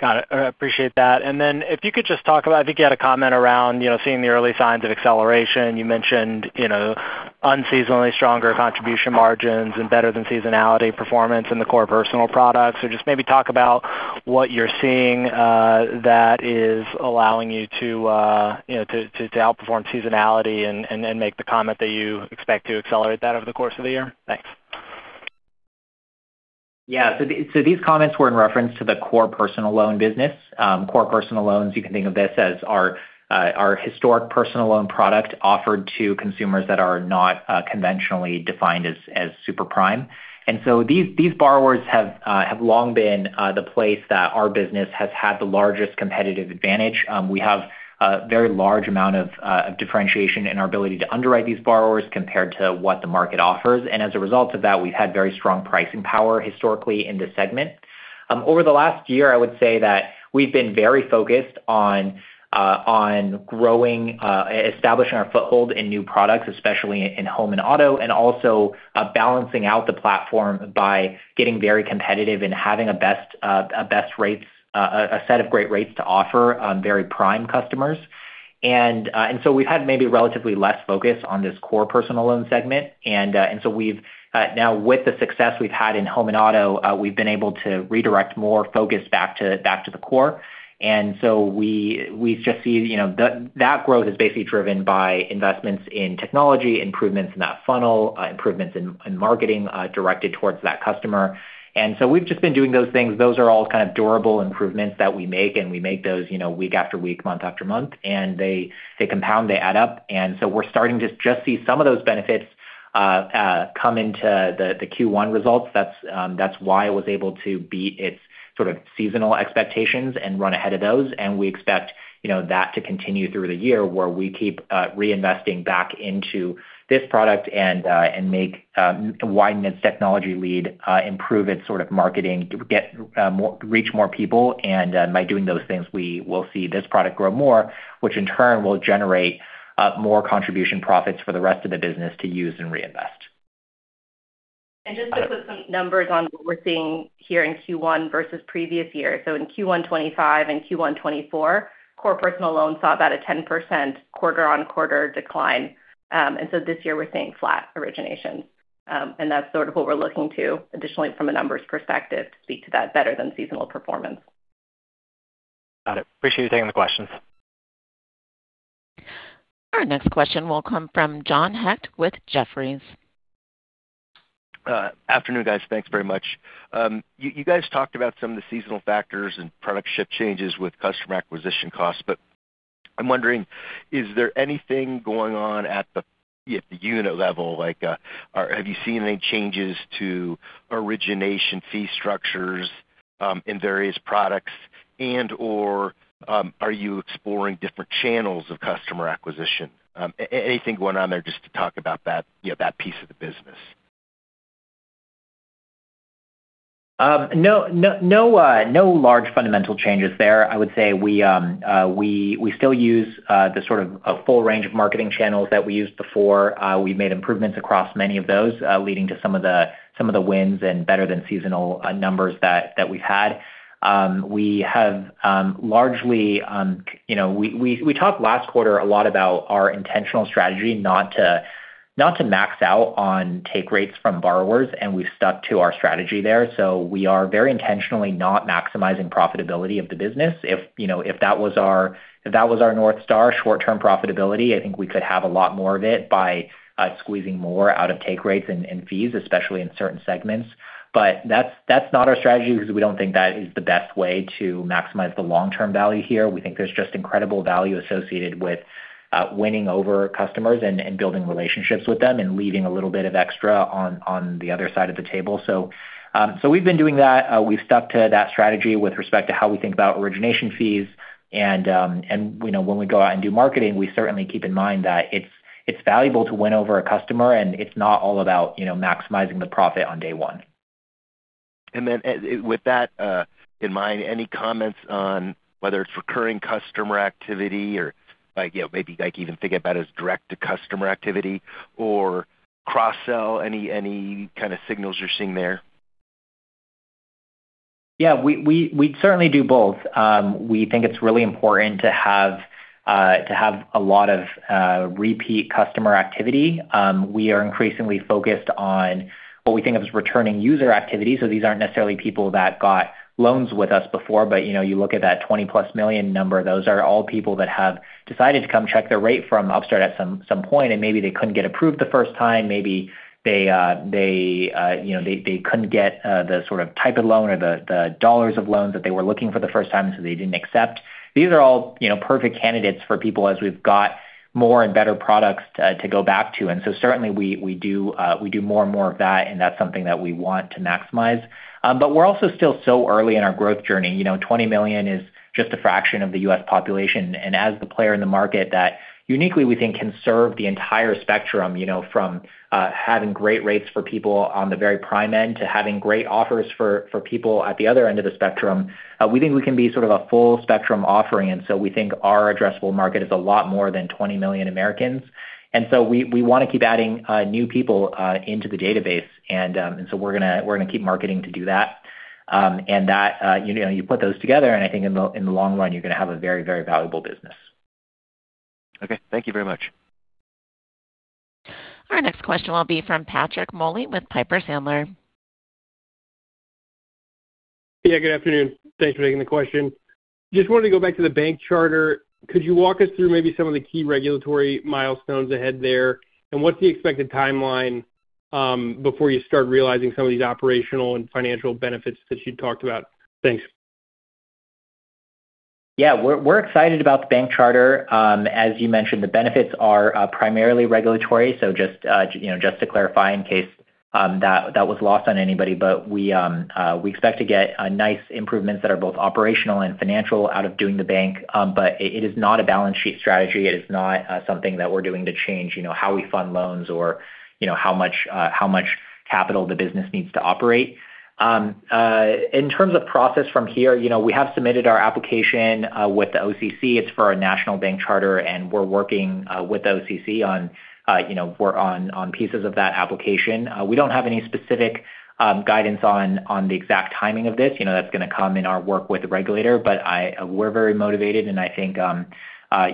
Got it. I appreciate that. If you could just talk about, I think you had a comment around, you know, seeing the early signs of acceleration. You mentioned, you know, unseasonably stronger contribution margins and better than seasonality performance in the core personal products. Just maybe talk about what you're seeing that is allowing you to, you know, outperform seasonality and then make the comment that you expect to accelerate that over the course of the year. Thanks. These comments were in reference to the core personal loan business. Core personal loans, you can think of this as our historic personal loan product offered to consumers that are not conventionally defined as super-prime. These borrowers have long been the place that our business has had the largest competitive advantage. We have a very large amount of differentiation in our ability to underwrite these borrowers compared to what the market offers. As a result of that, we've had very strong pricing power historically in this segment. Over the last year, I would say that we've been very focused on growing, establishing our foothold in new products, especially in home and auto, and also balancing out the platform by getting very competitive and having a set of great rates to offer on very prime customers. We've had maybe relatively less focus on this core personal loan segment. We've now with the success we've had in home and auto, we've been able to redirect more focus back to, back to the core. We just see, you know, that growth is basically driven by investments in technology, improvements in that funnel, improvements in marketing, directed towards that customer. We've just been doing those things. Those are all kind of durable improvements that we make, and we make those, you know, week after week, month after month, and they compound, they add up. We're starting to just see some of those benefits come into the Q1 results. That's why it was able to beat its sort of seasonal expectations and run ahead of those. We expect, you know, that to continue through the year where we keep reinvesting back into this product and make widen its technology lead, improve its sort of marketing, get reach more people. By doing those things, we will see this product grow more, which in turn will generate more contribution profits for the rest of the business to use and reinvest. Just to put some numbers on what we're seeing here in Q1 versus previous years. In Q1 2025 and Q1 2024, core personal loans saw about a 10% quarter-on-quarter decline. This year we're seeing flat originations. That's sort of what we're looking to additionally from a numbers perspective to speak to that better than seasonal performance. Got it. Appreciate you taking the questions. Our next question will come from John Hecht with Jefferies. Afternoon, guys. Thanks very much. You, you guys talked about some of the seasonal factors and product shift changes with customer acquisition costs. I'm wondering, is there anything going on at the, at the unit level? Like, have you seen any changes to origination fee structures in various products and/or are you exploring different channels of customer acquisition? Anything going on there just to talk about that, you know, that piece of the business. No large fundamental changes there. I would say we still use the sort of a full range of marketing channels that we used before. We've made improvements across many of those, leading to some of the wins and better than seasonal numbers that we've had. We have, largely, you know, we talked last quarter a lot about our intentional strategy not to max out on take rates from borrowers, and we've stuck to our strategy there. We are very intentionally not maximizing profitability of the business. If, you know, if that was our North Star short-term profitability, I think we could have a lot more of it by squeezing more out of take rates and fees, especially in certain segments. That's not our strategy because we don't think that is the best way to maximize the long-term value here. We think there's just incredible value associated with winning over customers and building relationships with them and leaving a little bit of extra on the other side of the table. We've been doing that. We've stuck to that strategy with respect to how we think about origination fees and we know when we go out and do marketing, we certainly keep in mind that it's valuable to win over a customer, and it's not all about, you know, maximizing the profit on day one. With that in mind, any comments on whether it's recurring customer activity or like, you know, maybe like even think about as direct-to-customer activity or cross-sell. Any kind of signals you're seeing there? Yeah. We certainly do both. We think it's really important to have a lot of repeat customer activity. These aren't necessarily people that got loans with us before. You know, you look at that 20+ million number, those are all people that have decided to come check their rate from Upstart at some point, and maybe they couldn't get approved the first time. Maybe they, you know, they couldn't get the sort of type of loan or the dollars of loans that they were looking for the first time, so they didn't accept. These are all, you know, perfect candidates for people as we've got more and better products to go back to. Certainly we do more and more of that, and that's something that we want to maximize. We're also still so early in our growth journey. You know, 20 million is just a fraction of the U.S. population. As the player in the market that uniquely we think can serve the entire spectrum, you know, from having great rates for people on the very prime end to having great offers for people at the other end of the spectrum, we think we can be sort of a full spectrum offering. We think our addressable market is a lot more than 20 million Americans. We wanna keep adding new people into the database. We're gonna keep marketing to do that. That, you know, you put those together, and I think in the long run, you're gonna have a very, very valuable business. Okay. Thank you very much. Our next question will be from Patrick Moley with Piper Sandler. Good afternoon. Thanks for taking the question. Just wanted to go back to the bank charter. Could you walk us through maybe some of the key regulatory milestones ahead there? And what's the expected timeline before you start realizing some of these operational and financial benefits that you'd talked about? Thanks. We're excited about the bank charter. As you mentioned, the benefits are primarily regulatory. Just, you know, just to clarify in case that was lost on anybody. We expect to get a nice improvements that are both operational and financial out of doing the bank. It is not a balance sheet strategy. It is not something that we're doing to change, you know, how we fund loans or, you know, how much capital the business needs to operate. In terms of process from here, you know, we have submitted our application with the OCC. It's for a national bank charter, and we're working with the OCC on, you know, on pieces of that application. We don't have any specific guidance on the exact timing of this. You know, that's gonna come in our work with the regulator. We're very motivated, and I think,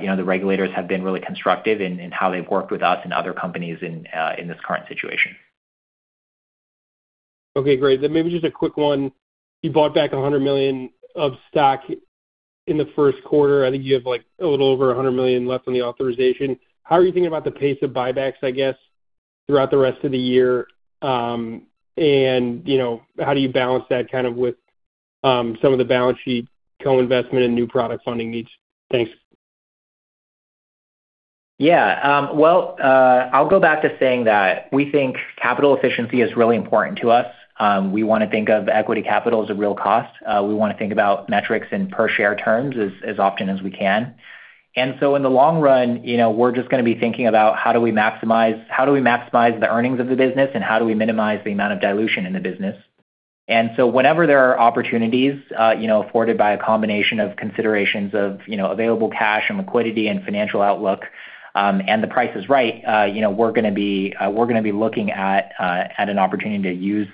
you know, the regulators have been really constructive in how they've worked with us and other companies in this current situation. Okay, great. Maybe just a quick one. You bought back $100 million of stock in the first quarter. I think you have a little over $100 million left on the authorization. How are you thinking about the pace of buybacks, I guess, throughout the rest of the year? You know, how do you balance that kind of with some of the balance sheet co-investment and new product funding needs? Thanks. I'll go back to saying that we think capital efficiency is really important to us. We wanna think of equity capital as a real cost. We wanna think about metrics in per share terms as often as we can. In the long run, you know, we're just gonna be thinking about how do we maximize the earnings of the business, and how do we minimize the amount of dilution in the business. Whenever there are opportunities, you know, afforded by a combination of considerations of, you know, available cash and liquidity and financial outlook, and the price is right, you know, we're gonna be looking at an opportunity to use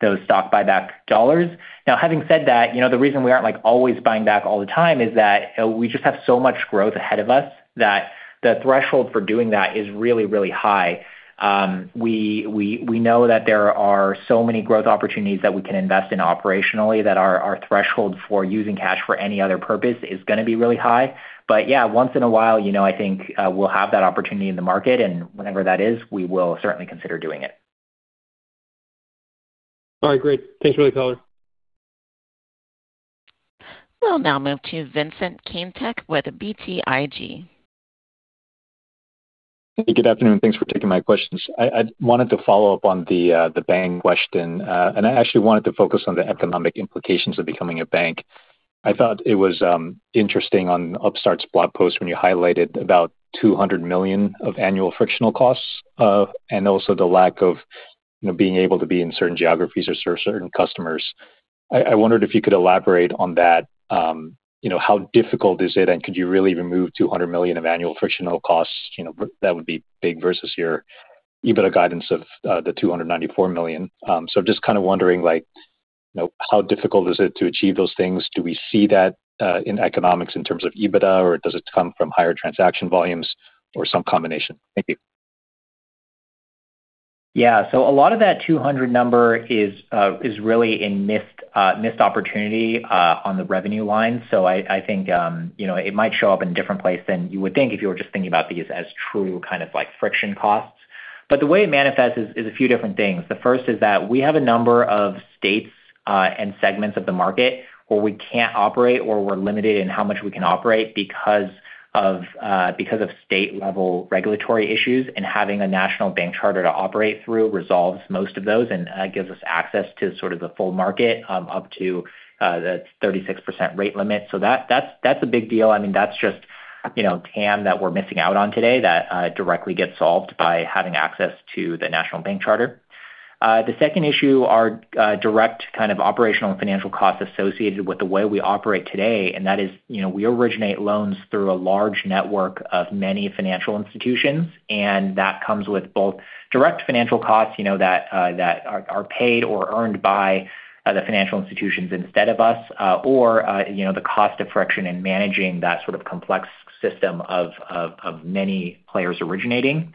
those stock buyback dollars. Now, having said that, you know, the reason we aren't like always buying back all the time is that, we just have so much growth ahead of us that the threshold for doing that is really, really high. We know that there are so many growth opportunities that we can invest in operationally that our threshold for using cash for any other purpose is gonna be really high. Yeah, once in a while, you know, I think, we'll have that opportunity in the market, and whenever that is, we will certainly consider doing it. All right, great. Thanks [for the color]. We'll now move to Vincent Caintic with BTIG. Hey, good afternoon. Thanks for taking my questions. I wanted to follow up on the bank question. I actually wanted to focus on the economic implications of becoming a bank. I thought it was interesting on Upstart's blog post when you highlighted about $200 million of annual frictional costs, and also the lack of, you know, being able to be in certain geographies or serve certain customers. I wondered if you could elaborate on that. You know, how difficult is it, and could you really remove $200 million of annual frictional costs? You know, that would be big versus your EBITDA guidance of the $294 million. Just kinda wondering like, You know, how difficult is it to achieve those things? Do we see that in economics in terms of EBITDA, or does it come from higher transaction volumes or some combination? Thank you. Yeah. A lot of that 200 number is really in missed opportunity on the revenue line. I think, you know, it might show up in a different place than you would think if you were just thinking about these as true kind of like friction costs. The way it manifests is a few different things. The first is that we have a number of states and segments of the market where we can't operate or we're limited in how much we can operate because of because of state-level regulatory issues. Having a national bank charter to operate through resolves most of those and gives us access to sort of the full market up to the 36% rate limit. That's a big deal. I mean, that's just, you know, TAM that we're missing out on today that directly gets solved by having access to the national bank charter. The second issue are direct kind of operational and financial costs associated with the way we operate today, that is, you know, we originate loans through a large network of many financial institutions, and that comes with both direct financial costs, you know, that are paid or earned by the financial institutions instead of us, or, you know, the cost of friction in managing that sort of complex system of many players originating.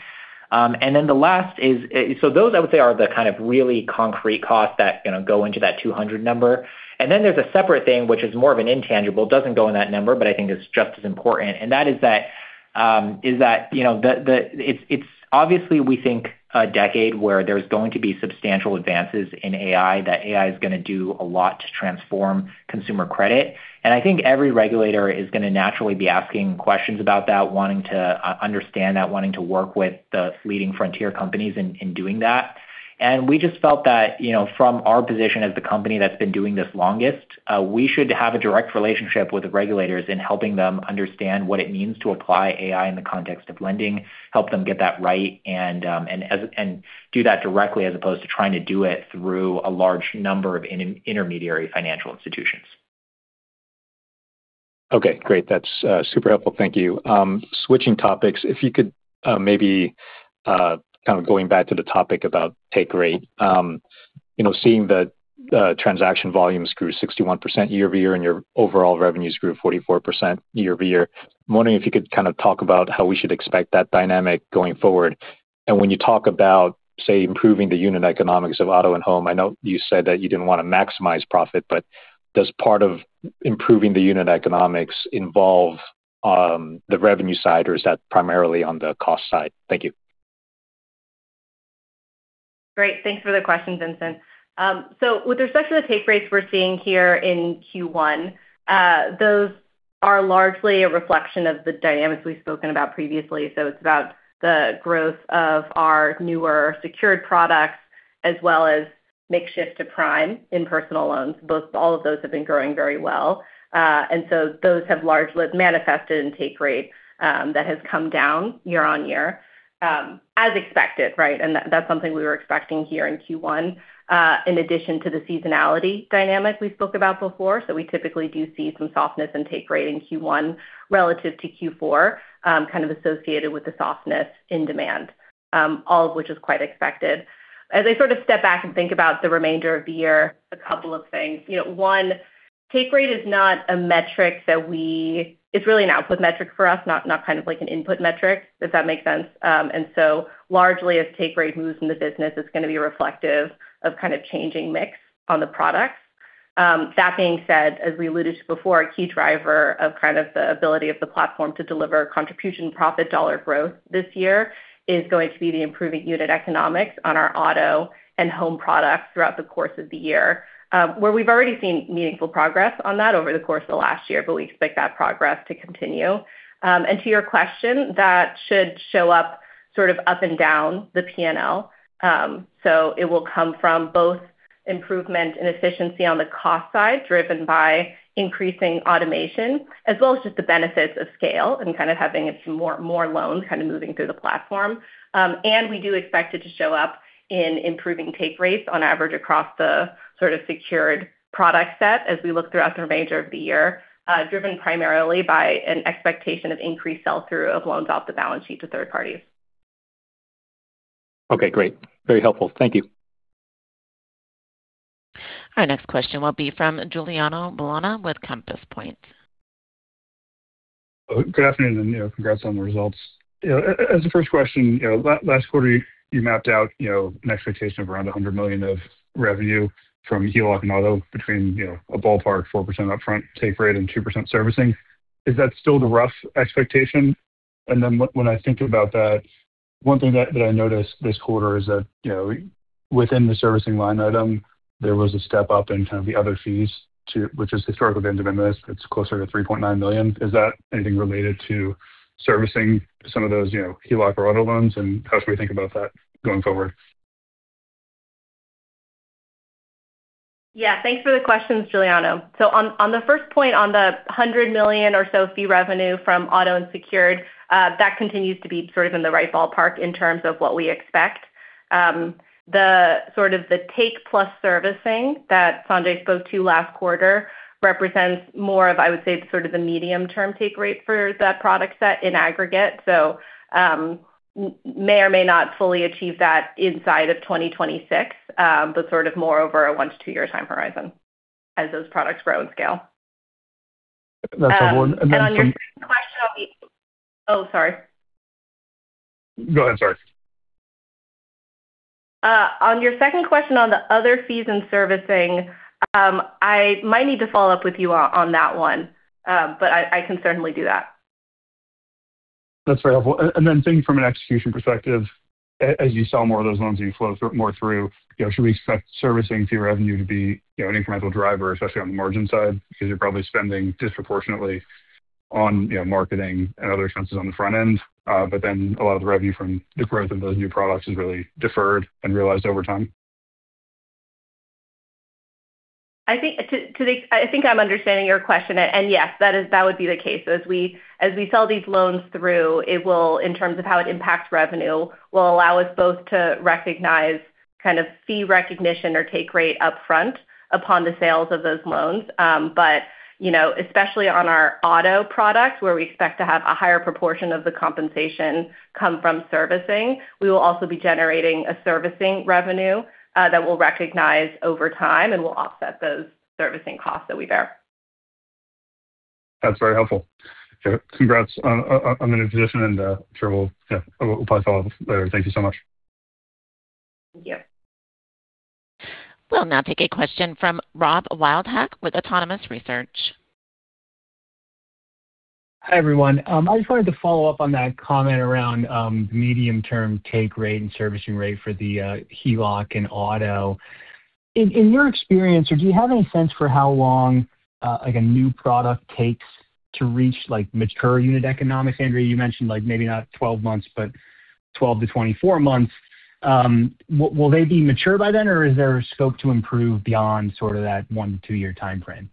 The last is, those I would say are the kind of really concrete costs that, you know, go into that $200 number. There's a separate thing which is more of an intangible. It doesn't go in that number, but I think it's just as important. That is that, you know, the, it's obviously we think a decade where there's going to be substantial advances in AI, that AI is gonna do a lot to transform consumer credit. I think every regulator is gonna naturally be asking questions about that, wanting to understand that, wanting to work with the leading frontier companies in doing that. We just felt that, you know, from our position as the company that's been doing this longest, we should have a direct relationship with the regulators in helping them understand what it means to apply AI in the context of lending, help them get that right and do that directly as opposed to trying to do it through a large number of inter-intermediary financial institutions. Okay, great. That's super helpful. Thank you. Switching topics, if you could, maybe kind of going back to the topic about take rate. You know, seeing the transaction volumes grew 61% year-over-year and your overall revenues grew 44% year-over-year, I'm wondering if you could kind of talk about how we should expect that dynamic going forward. When you talk about, say, improving the unit economics of auto and home, I know you said that you didn't want to maximize profit, but does part of improving the unit economics involve the revenue side, or is that primarily on the cost side? Thank you. Great. Thanks for the question, Vincent. With respect to the take rates we're seeing here in Q1, those are largely a reflection of the dynamics we've spoken about previously. It's about the growth of our newer secured products as well as makeshift to prime in personal loans. All of those have been growing very well. Those have largely manifested in take rate that has come down year-on-year as expected, right? That's something we were expecting here in Q1 in addition to the seasonality dynamic we spoke about before. We typically do see some softness in take rate in Q1 relative to Q4, kind of associated with the softness in demand, all of which is quite expected. As I sort of step back and think about the remainder of the year, a couple of things. You know, one, take rate is not a metric that it's really an output metric for us, not kind of like an input metric, if that makes sense. Largely as take rate moves in the business, it's gonna be reflective of kind of changing mix on the products. That being said, as we alluded to before, a key driver of kind of the ability of the platform to deliver contribution profit dollar growth this year is gonna be the improving unit economics on our auto and home products throughout the course of the year, where we've already seen meaningful progress on that over the course of last year, but we expect that progress to continue. To your question, that should show up sort of up and down the P&L. It will come from both improvement in efficiency on the cost side, driven by increasing automation, as well as just the benefits of scale and kind of having some more loans kind of moving through the platform. We do expect it to show up in improving take rates on average across the sort of secured product set as we look throughout the remainder of the year, driven primarily by an expectation of increased sell-through of loans off the balance sheet to third parties. Okay, great. Very helpful. Thank you. Our next question will be from Giuliano Bologna with Compass Point. Good afternoon, and, you know, congrats on the results. You know, as a first question, you know, last quarter you mapped out, you know, an expectation of around $100 million of revenue from HELOC and auto between, you know, a ballpark 4% upfront take rate and 2% servicing. Is that still the rough expectation? Then when I think about that, one thing that I noticed this quarter is that, you know, within the servicing line item, there was a step up in kind of the other fees, which is historically been de minimis. It's closer to $3.9 million. Is that anything related to servicing some of those, you know, HELOC or auto loans? How should we think about that going forward? Yeah. Thanks for the questions, Giuliano. On the first point on the $100 million or so fee revenue from auto and secured, that continues to be sort of in the right ballpark in terms of what we expect. The sort of the take plus servicing that Sanjay spoke to last quarter represents more of, I would say, the sort of the medium-term take rate for that product set in aggregate. May or may not fully achieve that inside of 2026, but sort of more over a one to two-year time horizon as those products grow in scale. That's helpful. On your question on the, oh, sorry. Go ahead, sorry. On your second question on the other fees and servicing, I might need to follow up with you on that one. I can certainly do that. That's very helpful. Then thinking from an execution perspective, as you sell more of those loans and you flow more through, you know, should we expect servicing fee revenue to be, you know, an incremental driver, especially on the margin side? Because you're probably spending disproportionately on, you know, marketing and other expenses on the front end, but then a lot of the revenue from the growth of those new products is really deferred and realized over time. I think I'm understanding your question. Yes, that would be the case. As we sell these loans through, it will, in terms of how it impacts revenue, will allow us both to recognize kind of fee recognition or take rate upfront upon the sales of those loans. You know, especially on our auto product, where we expect to have a higher proportion of the compensation come from servicing, we will also be generating a servicing revenue that we'll recognize over time and will offset those servicing costs that we bear. That's very helpful. Okay, congrats on the position, and sure we'll probably follow up later. Thank you so much. Thank you. We'll now take a question from Rob Wildhack with Autonomous Research. Hi, everyone. I just wanted to follow up on that comment around medium-term take rate and servicing rate for the HELOC and auto. In your experience or do you have any sense for how long, like a new product takes to reach like mature unit economics? Andrea, you mentioned like maybe not 12 months, but 12-24 months. Will they be mature by then, or is there scope to improve beyond sort of that one to two-year timeframe?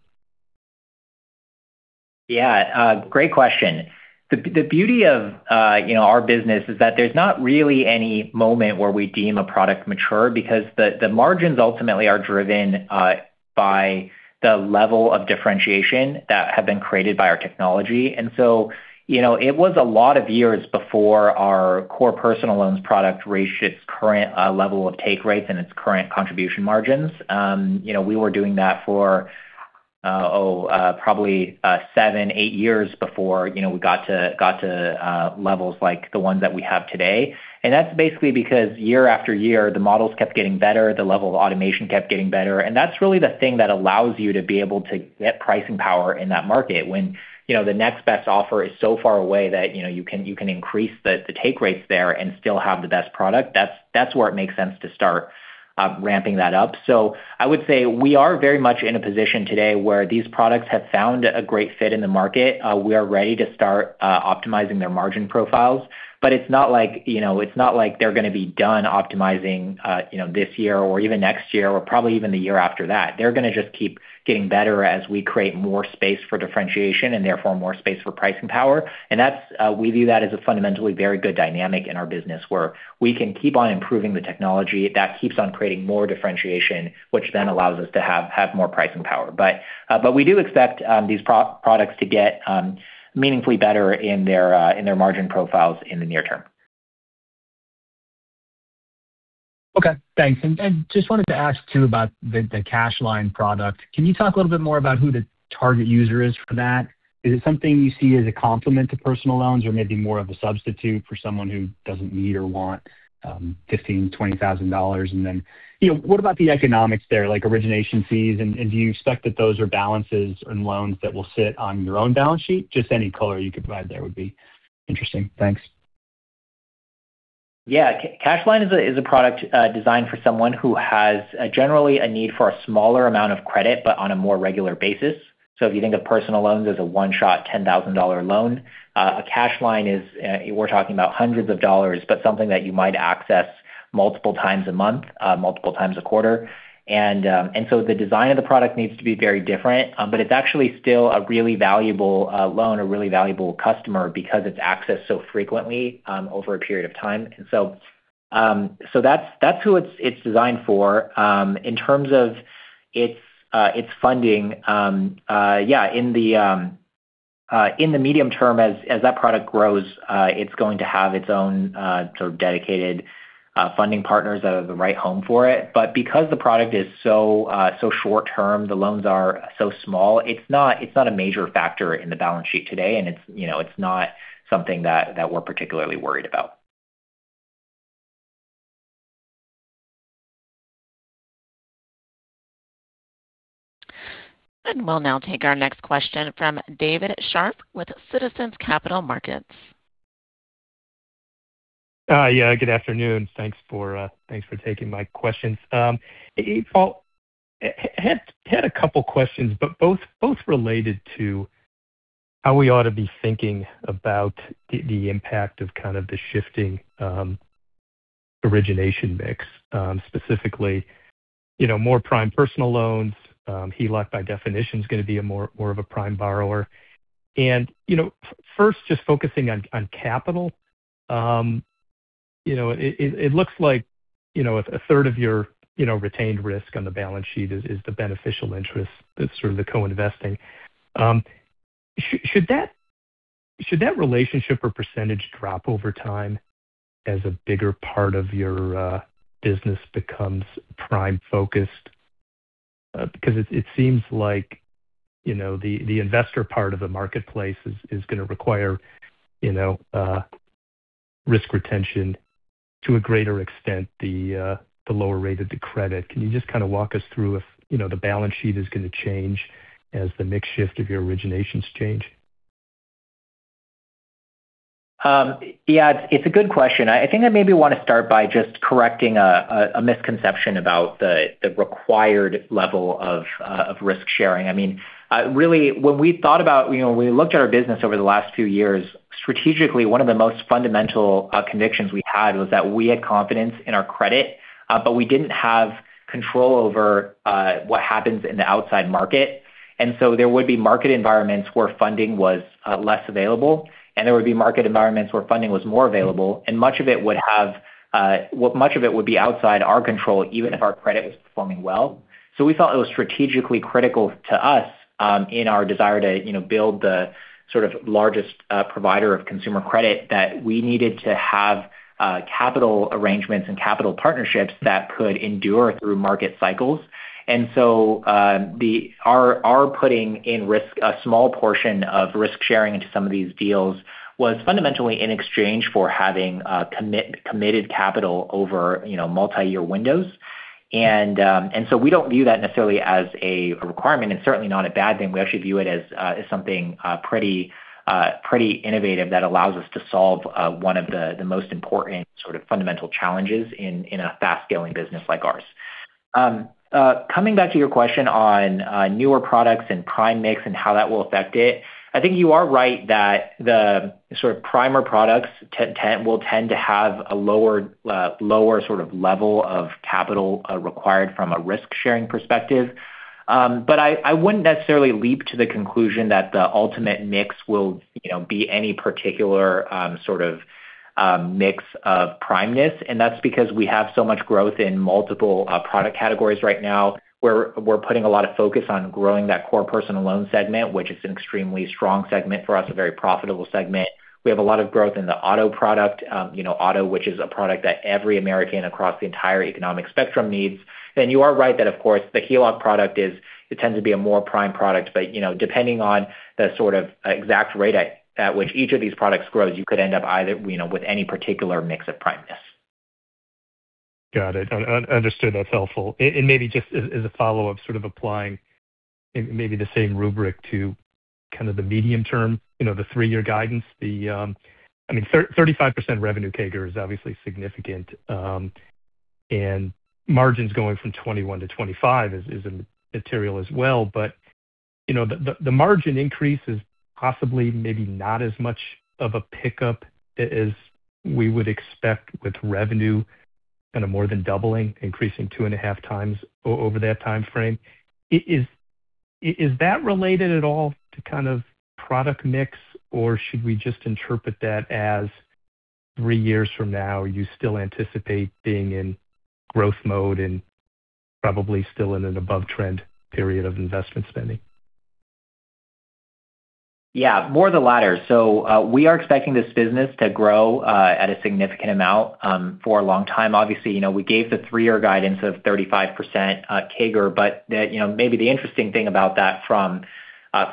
Yeah, great question. The beauty of, you know, our business is that there's not really any moment where we deem a product mature because the margins ultimately are driven by the level of differentiation that have been created by our technology. You know, it was a lot of years before our core personal loans product reached its current level of take rates and its current contribution margins. You know, we were doing that for probably seven, eight years before, you know, we got to levels like the ones that we have today. That's basically because year after year, the models kept getting better, the level of automation kept getting better. That's really the thing that allows you to be able to get pricing power in that market when, you know, the next best offer is so far away that, you know, you can increase the take rates there and still have the best product. That's where it makes sense to start ramping that up. I would say we are very much in a position today where these products have found a great fit in the market. We are ready to start optimizing their margin profiles. It's not like, you know, they're gonna be done optimizing, you know, this year or even next year or probably even the year after that. They're gonna just keep getting better as we create more space for differentiation and therefore more space for pricing power. That's, we view that as a fundamentally very good dynamic in our business where we can keep on improving the technology that keeps on creating more differentiation, which then allows us to have more pricing power. We do expect these products to get meaningfully better in their margin profiles in the near term. Okay, thanks. Just wanted to ask too about the Cash Line product. Can you talk a little bit more about who the target user is for that? Is it something you see as a complement to personal loans or maybe more of a substitute for someone who doesn't need or want $15,000, $20,000? Then, you know, what about the economics there, like origination fees, do you expect that those are balances and loans that will sit on your own balance sheet? Just any color you could provide there would be interesting. Thanks. Yeah. Cash Line is a product designed for someone who has a generally a need for a smaller amount of credit, but on a more regular basis. If you think of personal loans as a one-shot $10,000 loan, a Cash Line is, we're talking about hundreds of dollars, but something that you might access multiple times a month, multiple times a quarter. The design of the product needs to be very different. It's actually still a really valuable loan, a really valuable customer because it's accessed so frequently over a period of time. That's who it's designed for. In terms of its funding, in the medium term as that product grows, it's going to have its own sort of dedicated funding partners that are the right home for it. Because the product is so short-term, the loans are so small, it's not, it's not a major factor in the balance sheet today, and it's, you know, it's not something that we're particularly worried about. We'll now take our next question from David Scharf with Citizens Capital Markets. Yeah, good afternoon. Thanks for, thanks for taking my questions. Hey, Paul, had a couple questions, but both related to how we ought to be thinking about the impact of kind of the shifting origination mix, specifically, you know, more prime personal loans. HELOC by definition is gonna be a more of a prime borrower. First just focusing on capital, you know, it, it looks like, you know, 1/3 of your, you know, retained risk on the balance sheet is the beneficial interest that's sort of the co-investing. Should that relationship or percentage drop over time as a bigger part of your business becomes prime-focused? Because it seems like, you know, the investor part of the marketplace is gonna require, you know, risk retention to a greater extent the lower rate of the credit. Can you just kinda walk us through if, you know, the balance sheet is gonna change as the mix shift of your originations change? Yeah, it's a good question. I think I maybe want to start by just correcting a misconception about the required level of risk-sharing. I mean, really when we thought about, you know, when we looked at our business over the last few years, strategically, one of the most fundamental convictions we had was that we had confidence in our credit, but we didn't have control over what happens in the outside market. There would be market environments where funding was less available, and there would be market environments where funding was more available, and much of it would have, well, much of it would be outside our control, even if our credit was performing well. We thought it was strategically critical to us, you know, in our desire to build the sort of largest provider of consumer credit that we needed to have capital arrangements and capital partnerships that could endure through market cycles. Our putting in risk a small portion of risk-sharing into some of these deals was fundamentally in exchange for having committed capital over, you know, multi-year windows. We don't view that necessarily as a requirement and certainly not a bad thing. We actually view it as something pretty innovative that allows us to solve one of the most important sort of fundamental challenges in a fast-scaling business like ours. Coming back to your question on newer products and prime mix and how that will affect it, I think you are right that the sort of prime products will tend to have a lower sort of level of capital required from a risk-sharing perspective. I wouldn't necessarily leap to the conclusion that the ultimate mix will, you know, be any particular, sort of, mix of primeness, and that's because we have so much growth in multiple product categories right now, where we're putting a lot of focus on growing that core personal loan segment, which is an extremely strong segment for us, a very profitable segment. We have a lot of growth in the auto product, you know, auto, which is a product that every American across the entire economic spectrum needs. You are right that, of course, the HELOC product is, it tends to be a more prime product, but, you know, depending on the sort of exact rate at which each of these products grows, you could end up either, you know, with any particular mix of primeness. Got it. Understood. That's helpful. Maybe just as a follow-up, sort of applying maybe the same rubric to kind of the medium term, you know, the three-year guidance, I mean, 35% revenue CAGR is obviously significant, and margins going from 21%-25% is material as well. You know, the margin increase is possibly maybe not as much of a pickup as we would expect with revenue kind of more than doubling, increasing 2.5x over that timeframe. Is that related at all to kind of product mix, or should we just interpret that as three years from now, you still anticipate being in growth mode and probably still in an above trend period of investment spending? Yeah, more the latter. We are expecting this business to grow at a significant amount for a long time. Obviously, you know, we gave the three-year guidance of 35% CAGR, but, you know, maybe the interesting thing about that from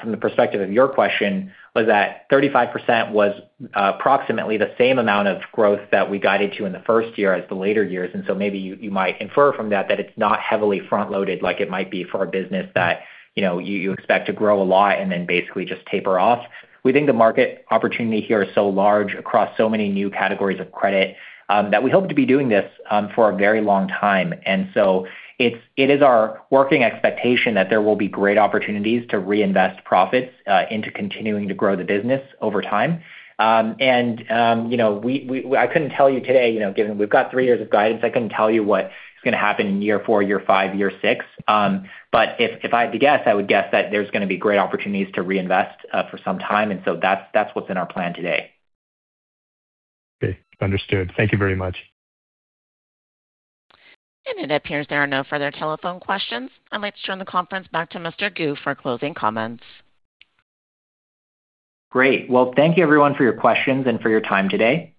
the perspective of your question was that 35% was approximately the same amount of growth that we guided to in the first year as the later years. Maybe you might infer from that it's not heavily front-loaded like it might be for a business that, you know, you expect to grow a lot and then basically just taper off. We think the market opportunity here is so large across so many new categories of credit that we hope to be doing this for a very long time. It is our working expectation that there will be great opportunities to reinvest profits into continuing to grow the business over time. You know, we I couldn't tell you today, you know, given we've got three years of guidance, I couldn't tell you what is going to happen in year four, year five, year six. But if I had to guess, I would guess that there's going to be great opportunities to reinvest for some time. That's what's in our plan today. Okay. Understood. Thank you very much. It appears there are no further telephone questions. I'd like to turn the conference back to Mr. Gu for closing comments. Great. Well, thank you everyone for your questions and for your time today.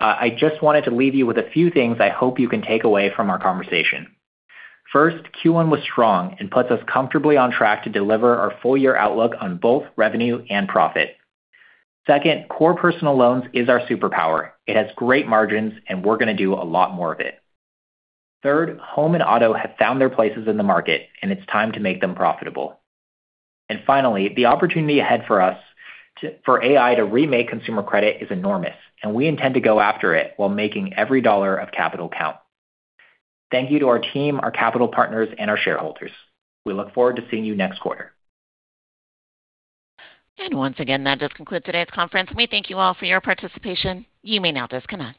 I just wanted to leave you with a few things I hope you can take away from our conversation. First, Q1 was strong and puts us comfortably on track to deliver our full year outlook on both revenue and profit. Second, core personal loans is our superpower. It has great margins, and we're gonna do a lot more of it. Third, home and auto have found their places in the market, and it's time to make them profitable. Finally, the opportunity ahead for AI to remake consumer credit is enormous, and we intend to go after it while making every dollar of capital count. Thank you to our team, our capital partners, and our shareholders. We look forward to seeing you next quarter. Once again, that does conclude today's conference. We thank you all for your participation. You may now disconnect.